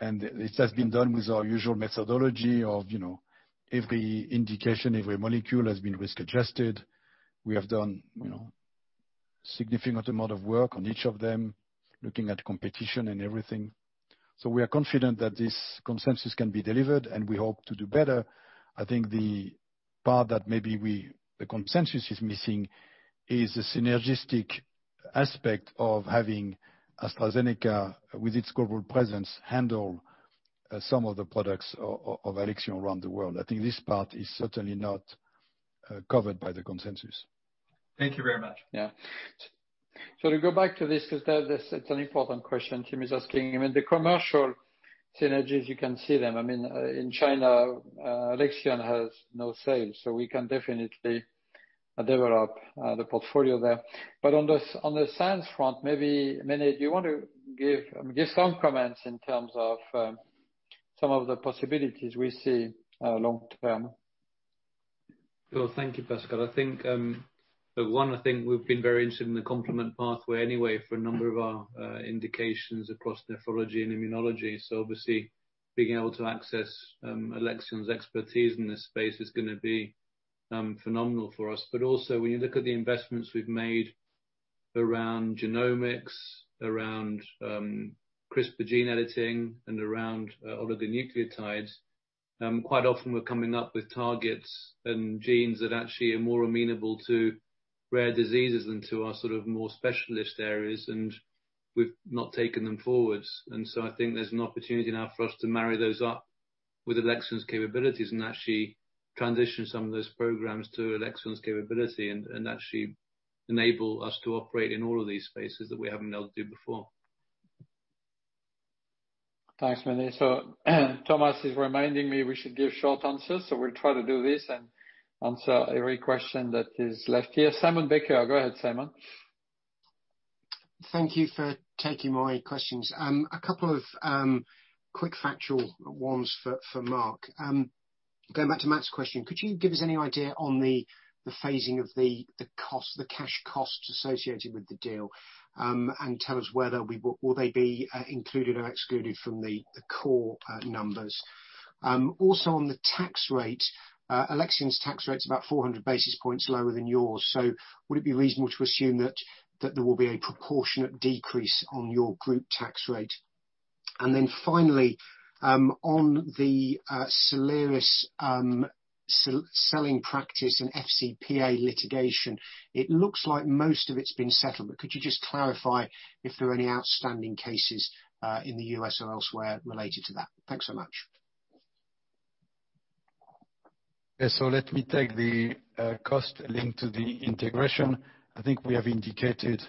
This has been done with our usual methodology of every indication, every molecule has been risk adjusted. We have done significant amount of work on each of them, looking at competition and everything. We are confident that this consensus can be delivered, and we hope to do better. I think the part that maybe the consensus is missing is the synergistic aspect of having AstraZeneca, with its global presence, handle some of the products of Alexion around the world. I think this part is certainly not covered by the consensus. Thank you very much. Yeah. To go back to this, because it's an important question Tim is asking. I mean, the commercial synergies, you can see them. In China, Alexion has no sales, so we can definitely develop the portfolio there. On the science front, maybe, Mene, do you want to give some comments in terms of some of the possibilities we see long term? Thank you, Pascal. I think, the one thing we've been very interested in the complement pathway anyway for a number of our indications across nephrology and immunology. Obviously being able to access Alexion's expertise in this space is going to be phenomenal for us. Also when you look at the investments we've made around genomics, around CRISPR gene editing, and around oligonucleotides, quite often we're coming up with targets and genes that actually are more amenable to rare diseases than to our sort of more specialist areas, and we've not taken them forwards. I think there's an opportunity now for us to marry those up with Alexion's capabilities and actually transition some of those programs to Alexion's capability and actually enable us to operate in all of these spaces that we haven't been able to do before. Thanks, Mene. Thomas is reminding me we should give short answers, so we'll try to do this and answer every question that is left here. Simon Baker. Go ahead, Simon. Thank you for taking my questions. A couple of quick factual ones for Marc. Going back to Matt's question, could you give us any idea on the phasing of the cash costs associated with the deal? Tell us whether will they be included or excluded from the core numbers? On the tax rate, Alexion's tax rate's about 400 basis points lower than yours. Would it be reasonable to assume that there will be a proportionate decrease on your group tax rate? Then finally, on the Soliris selling practice and FCPA litigation, it looks like most of it's been settled, but could you just clarify if there are any outstanding cases in the U.S. or elsewhere related to that? Thanks so much. Let me take the cost linked to the integration. I think we have indicated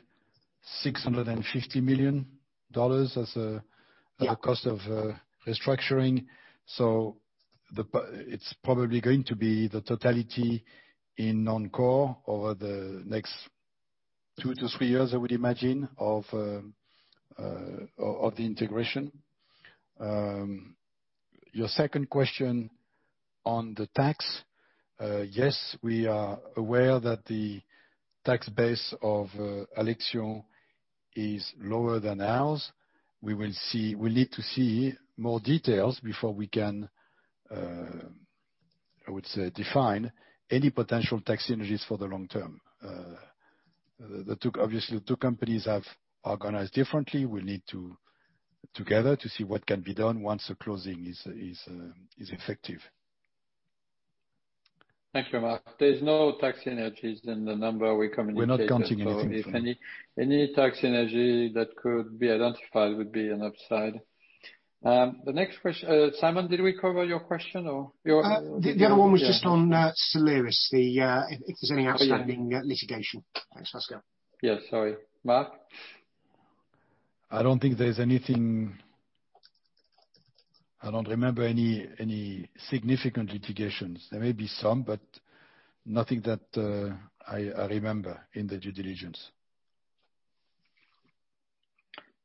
$650 million. Yeah cost of restructuring. It's probably going to be the totality in non-core over the next two to three years, I would imagine, of the integration. Your second question on the tax. We are aware that the tax base of Alexion is lower than ours. We need to see more details before we can, I would say, define any potential tax synergies for the long term. The two companies have organized differently. We need together to see what can be done once the closing is effective. Thank you, Marc. There's no tax synergies in the number we communicated. We're not counting anything. If any tax synergy that could be identified would be an upside. Simon, did we cover your question? The other one was just on Soliris, if there's any outstanding litigation. Thanks, Pascal. Yes, sorry. Marc? I don't think there's anything. I don't remember any significant litigations. There may be some, but nothing that I remember in the due diligence.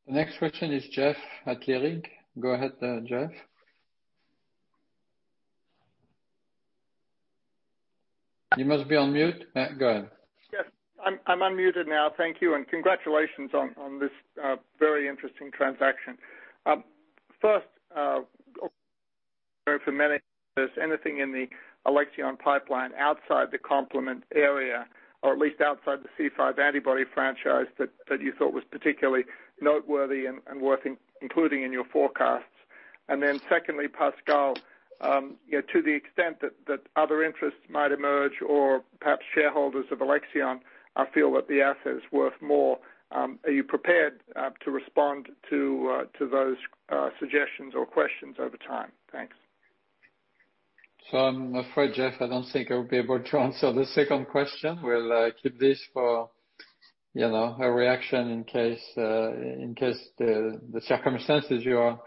The next question is Jeff at Leerink. Go ahead, Jeff. You must be on mute. Go ahead. Yes. I'm unmuted now. Thank you, congratulations on this very interesting transaction. First, for Mene, if there's anything in the Alexion pipeline outside the complement area, or at least outside the C5 antibody franchise that you thought was particularly noteworthy and worth including in your forecasts. Secondly, Pascal, to the extent that other interests might emerge or perhaps shareholders of Alexion feel that the asset is worth more, are you prepared to respond to those suggestions or questions over time? Thanks. I'm afraid, Jeff, I don't think I'll be able to answer the second question. We'll keep this for a reaction in case the circumstances you are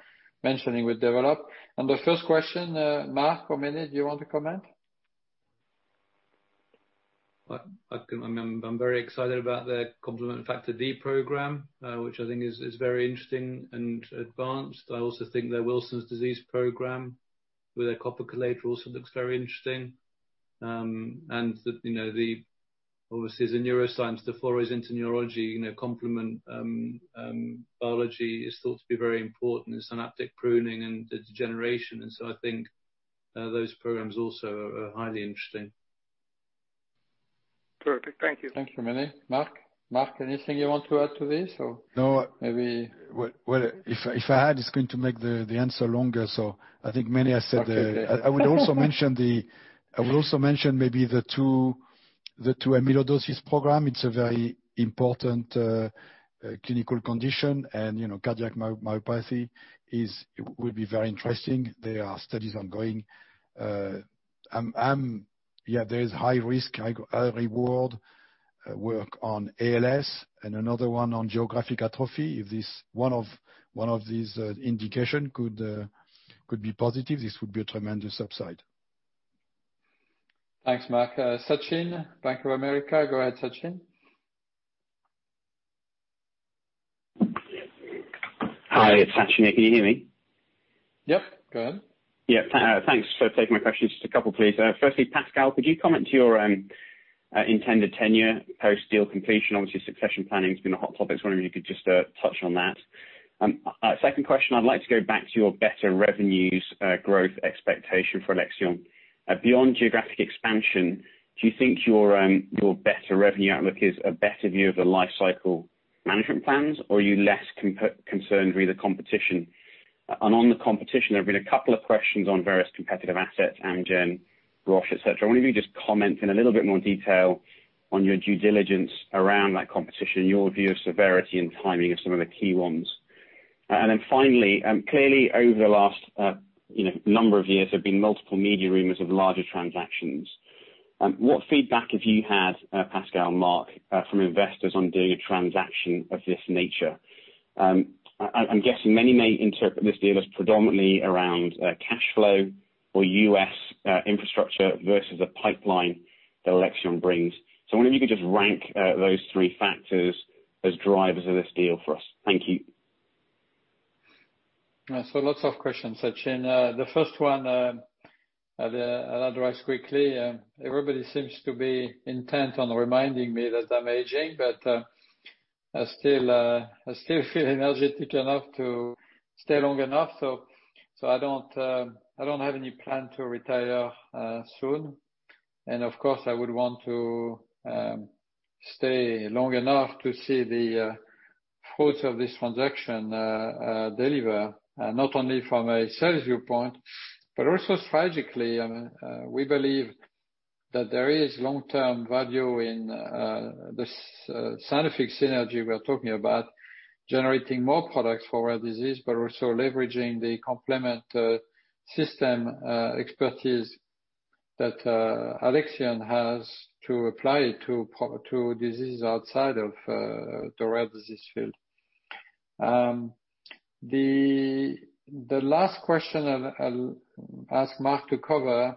mentioning would develop. The first question, Marc or Mene, do you want to comment? I'm very excited about their complement Factor D program, which I think is very interesting and advanced. I also think their Wilson disease program with their copper chelator also looks very interesting. Obviously, as a neuroscience to fluoresce into neurology, complement biology is thought to be very important in synaptic pruning and degeneration. So I think those programs also are highly interesting. Perfect. Thank you. Thank you, Mene. Marc? Marc, anything you want to add to this? No Maybe- If I add, it's going to make the answer longer, so I think Mene has said. Okay, fair. I would also mention maybe the two amyloidosis program. It's a very important clinical condition, and cardiac myopathy will be very interesting. There are studies ongoing. There is high risk, high reward work on ALS and another one on geographic atrophy. If one of these indication could be positive, this would be a tremendous upside. Thanks, Marc. Sachin, Bank of America. Go ahead, Sachin. Hi, it's Sachin here. Can you hear me? Yep. Go ahead. Yeah. Thanks for taking my questions. Just a couple, please. Firstly, Pascal, could you comment to your intended tenure post-deal completion? Obviously, succession planning has been a hot topic. I was wondering if you could just touch on that. Second question, I'd like to go back to your better revenues growth expectation for Alexion. Beyond geographic expansion, do you think your better revenue outlook is a better view of the life cycle management plans, or are you less concerned re: the competition? On the competition, there have been a couple of questions on various competitive assets, Amgen, Roche, et cetera. I wonder if you could just comment in a little bit more detail on your due diligence around that competition, your view of severity and timing of some of the key ones. Finally, clearly, over the last number of years, there have been multiple media rumors of larger transactions. What feedback have you had, Pascal and Marc, from investors on doing a transaction of this nature? I'm guessing many may interpret this deal as predominantly around cash flow or U.S. infrastructure versus a pipeline that Alexion brings. I wonder if you could just rank those three factors as drivers of this deal for us. Thank you. Lots of questions, Sachin. The first one, I'll address quickly. Everybody seems to be intent on reminding me that I'm aging, but I still feel energetic enough to stay long enough. I don't have any plan to retire soon. Of course, I would want to stay long enough to see the fruits of this transaction deliver, not only from a sales viewpoint, but also strategically. We believe that there is long-term value in this scientific synergy we are talking about, generating more products for rare disease, also leveraging the complement system expertise that Alexion has to apply to diseases outside of the rare disease field. The last question, I'll ask Marc to cover,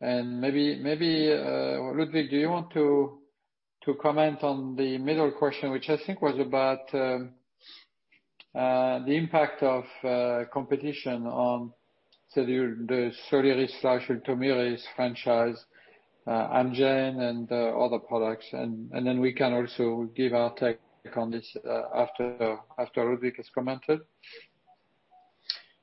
and maybe Ludwig, do you want to comment on the middle question, which I think was about the impact of competition on the Soliris/Ultomiris franchise, Amgen and other products. We can also give our take on this after Ludwig has commented.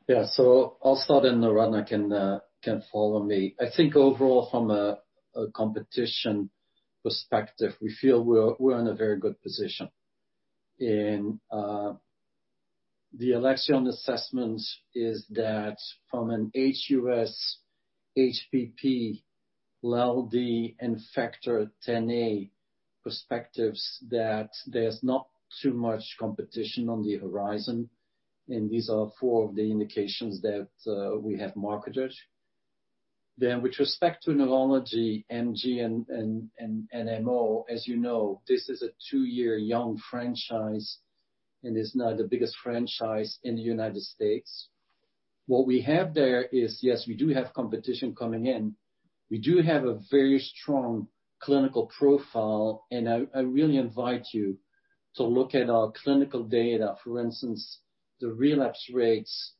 Yeah. I'll start, and Aradhana can follow me. I think overall, from a competition perspective, we feel we're in a very good position in a. The Alexion assessment is that from an aHUS, HPP, LAL-D, and Factor Xa perspectives, that there's not too much competition on the horizon, and these are four of the indications that we have marketed. With respect to neurology, MG and NMO, as you know, this is a two-year young franchise, and it's now the biggest franchise in the United States. What we have there is, yes, we do have competition coming in. We do have a very strong clinical profile, and I really invite you to look at our clinical data. For instance, the relapse rates,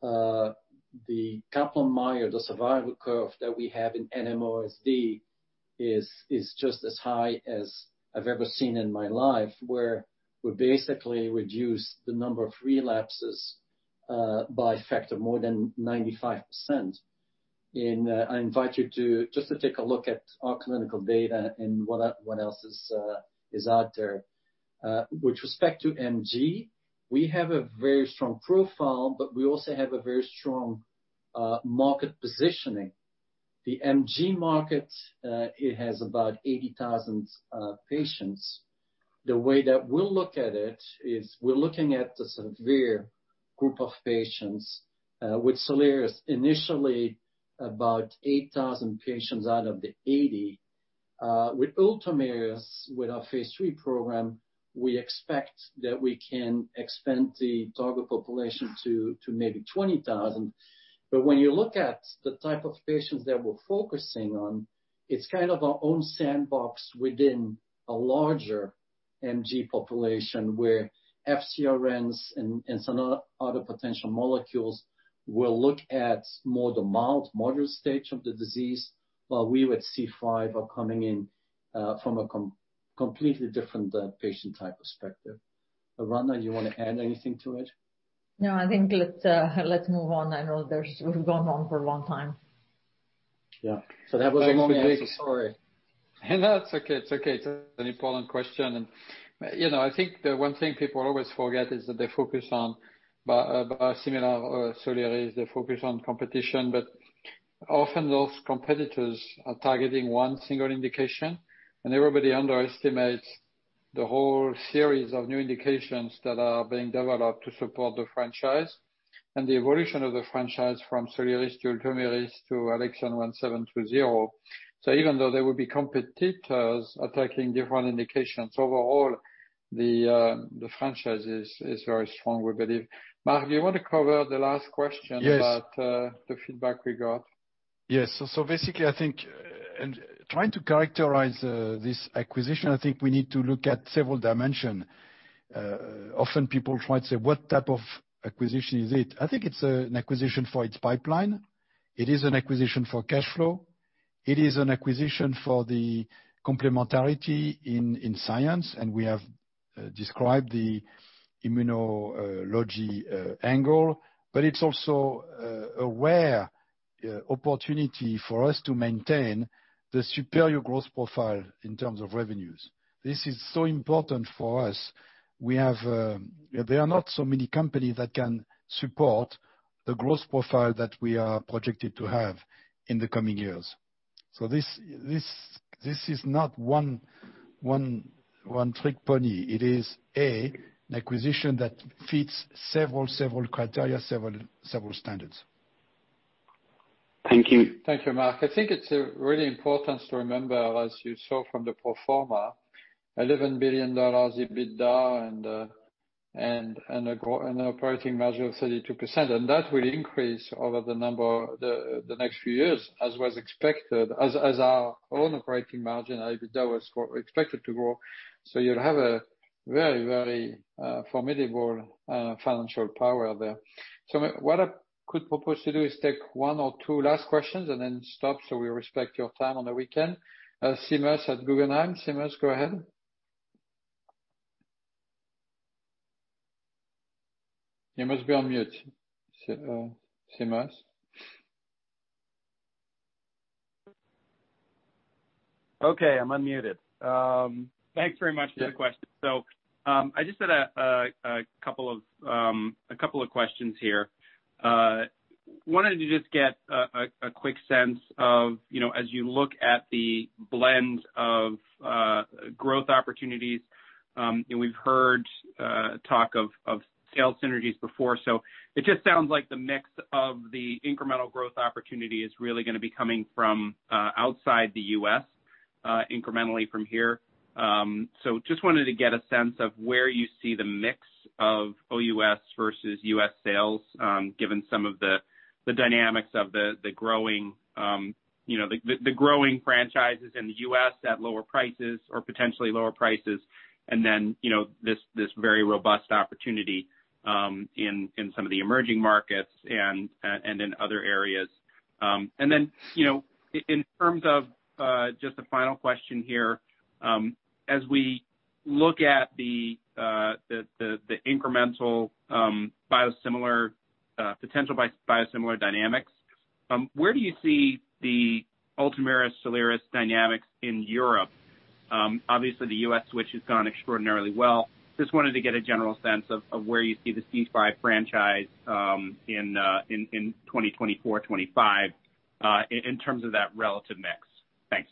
the Kaplan-Meier, the survival curve that we have in NMOSD is just as high as I've ever seen in my life, where we basically reduce the number of relapses by a factor of more than 95%. I invite you just to take a look at our clinical data and what else is out there. With respect to MG, we have a very strong profile, but we also have a very strong market positioning. The MG market, it has about 80,000 patients. The way that we'll look at it is we're looking at the severe group of patients with Soliris, initially about 8,000 patients out of the 80. With Ultomiris, with our phase III program, we expect that we can expand the target population to maybe 20,000. When you look at the type of patients that we're focusing on, it's kind of our own sandbox within a larger MG population, where FcRns and some other potential molecules will look at more the mild, moderate stage of the disease. While we, with C5, are coming in from a completely different patient type perspective. Aradhana, you want to add anything to it? No, I think let's move on. I know we've gone on for a long time. Yeah. That was a long answer story. No, it's okay. It's an important question. I think the one thing people always forget is that they focus on biosimilar or Soliris, they focus on competition. Often those competitors are targeting one single indication, and everybody underestimates the whole series of new indications that are being developed to support the franchise. The evolution of the franchise from Soliris to Ultomiris to ALXN1720. Even though there will be competitors attacking different indications, overall, the franchise is very strong, we believe. Marc, do you want to cover the last question? Yes About the feedback we got? Yes. Basically, I think in trying to characterize this acquisition, I think we need to look at several dimension. Often people try to say, "What type of acquisition is it?" I think it's an acquisition for its pipeline. It is an acquisition for cash flow. It is an acquisition for the complementarity in science, and we have described the immunology angle. It's also a rare opportunity for us to maintain the superior growth profile in terms of revenues. This is so important for us. There are not so many companies that can support the growth profile that we are projected to have in the coming years. This is not one-trick pony. It is, A, an acquisition that fits several criteria, several standards. Thank you. Thank you, Marc. I think it's really important to remember, as you saw from the pro forma, $11 billion EBITDA and an operating margin of 32%. That will increase over the next few years, as was expected, as our own operating margin, EBITDA, was expected to grow. You'll have a very formidable financial power there. What I could propose to do is take one or two last questions and then stop, so we respect your time on the weekend. Seamus at Guggenheim. Seamus, go ahead. You must be on mute, Seamus. Okay, I'm unmuted. Thanks very much for the question. I just had a couple of questions here. Wanted to just get a quick sense of, as you look at the blend of growth opportunities, and we've heard talk of sales synergies before. It just sounds like the mix of the incremental growth opportunity is really going to be coming from outside the U.S. incrementally from here. Just wanted to get a sense of where you see the mix of OUS versus U.S. sales, given some of the dynamics of the growing franchises in the U.S. at lower prices or potentially lower prices, and then this very robust opportunity in some of the emerging markets and in other areas. In terms of just a final question here, as we look at the incremental potential biosimilar dynamics, where do you see the Ultomiris, Soliris dynamics in Europe? Obviously, the U.S. switch has gone extraordinarily well. Just wanted to get a general sense of where you see the C5 franchise in 2024, 2025, in terms of that relative mix. Thanks.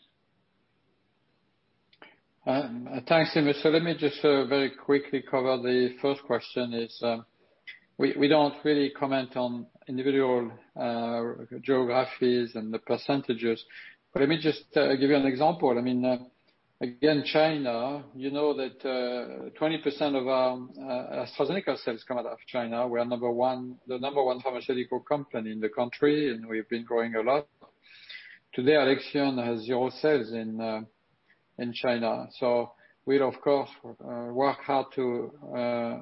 Thanks, Timothy. Let me just very quickly cover the first question. We don't really comment on individual geographies and the percentages. Let me just give you an example. Again, China, you know that 20% of AstraZeneca sales come out of China. We are the number one pharmaceutical company in the country, and we've been growing a lot. Today, Alexion has zero sales in China. We'll, of course, work hard to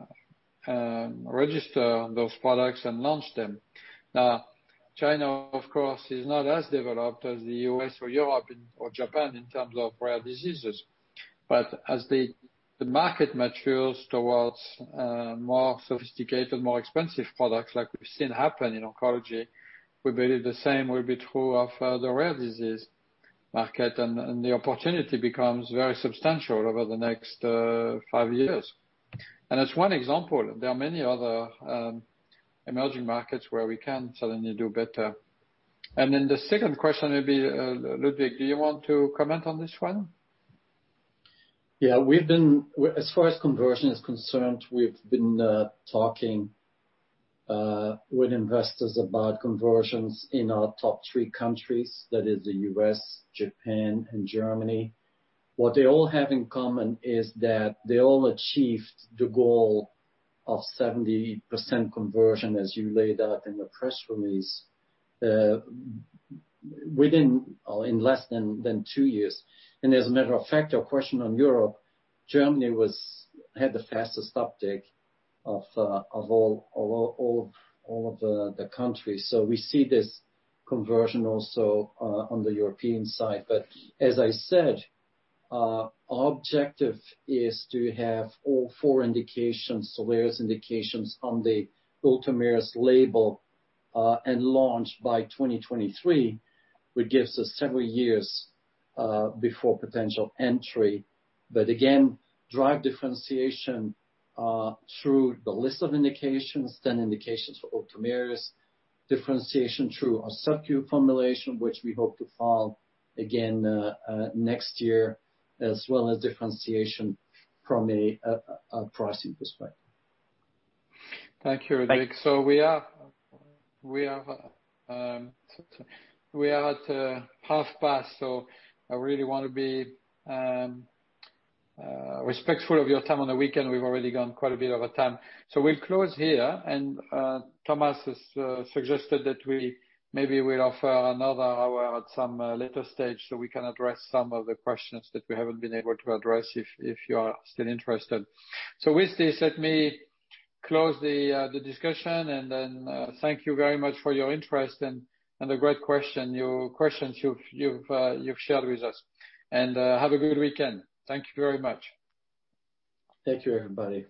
register those products and launch them. China, of course, is not as developed as the U.S. or Europe or Japan in terms of rare diseases. As the market matures towards more sophisticated, more expensive products like we've seen happen in oncology, we believe the same will be true of the rare disease market, and the opportunity becomes very substantial over the next five years. That's one example. There are many other emerging markets where we can certainly do better. The second question will be, Ludwig, do you want to comment on this one? Yeah. As far as conversion is concerned, we've been talking with investors about conversions in our top three countries. That is the U.S., Japan, and Germany. What they all have in common is that they all achieved the goal of 70% conversion, as you laid out in the press release, in less than two years. As a matter of fact, your question on Europe, Germany had the fastest uptake of all of the countries. We see this conversion also on the European side. As I said, our objective is to have all four Soliris indications on the Ultomiris label, and launch by 2023, which gives us several years, before potential entry. Again, drive differentiation through the list of indications, 10 indications for Ultomiris, differentiation through a subcu formulation, which we hope to file again next year, as well as differentiation from a pricing perspective. Thank you, Ludwig. We are at half past, so I really want to be respectful of your time on the weekend. We've already gone quite a bit over time. We'll close here, and Thomas has suggested that maybe we'll offer another hour at some later stage so we can address some of the questions that we haven't been able to address, if you are still interested. With this, let me close the discussion and then thank you very much for your interest and the great questions you've shared with us. Have a good weekend. Thank you very much. Thank you, everybody.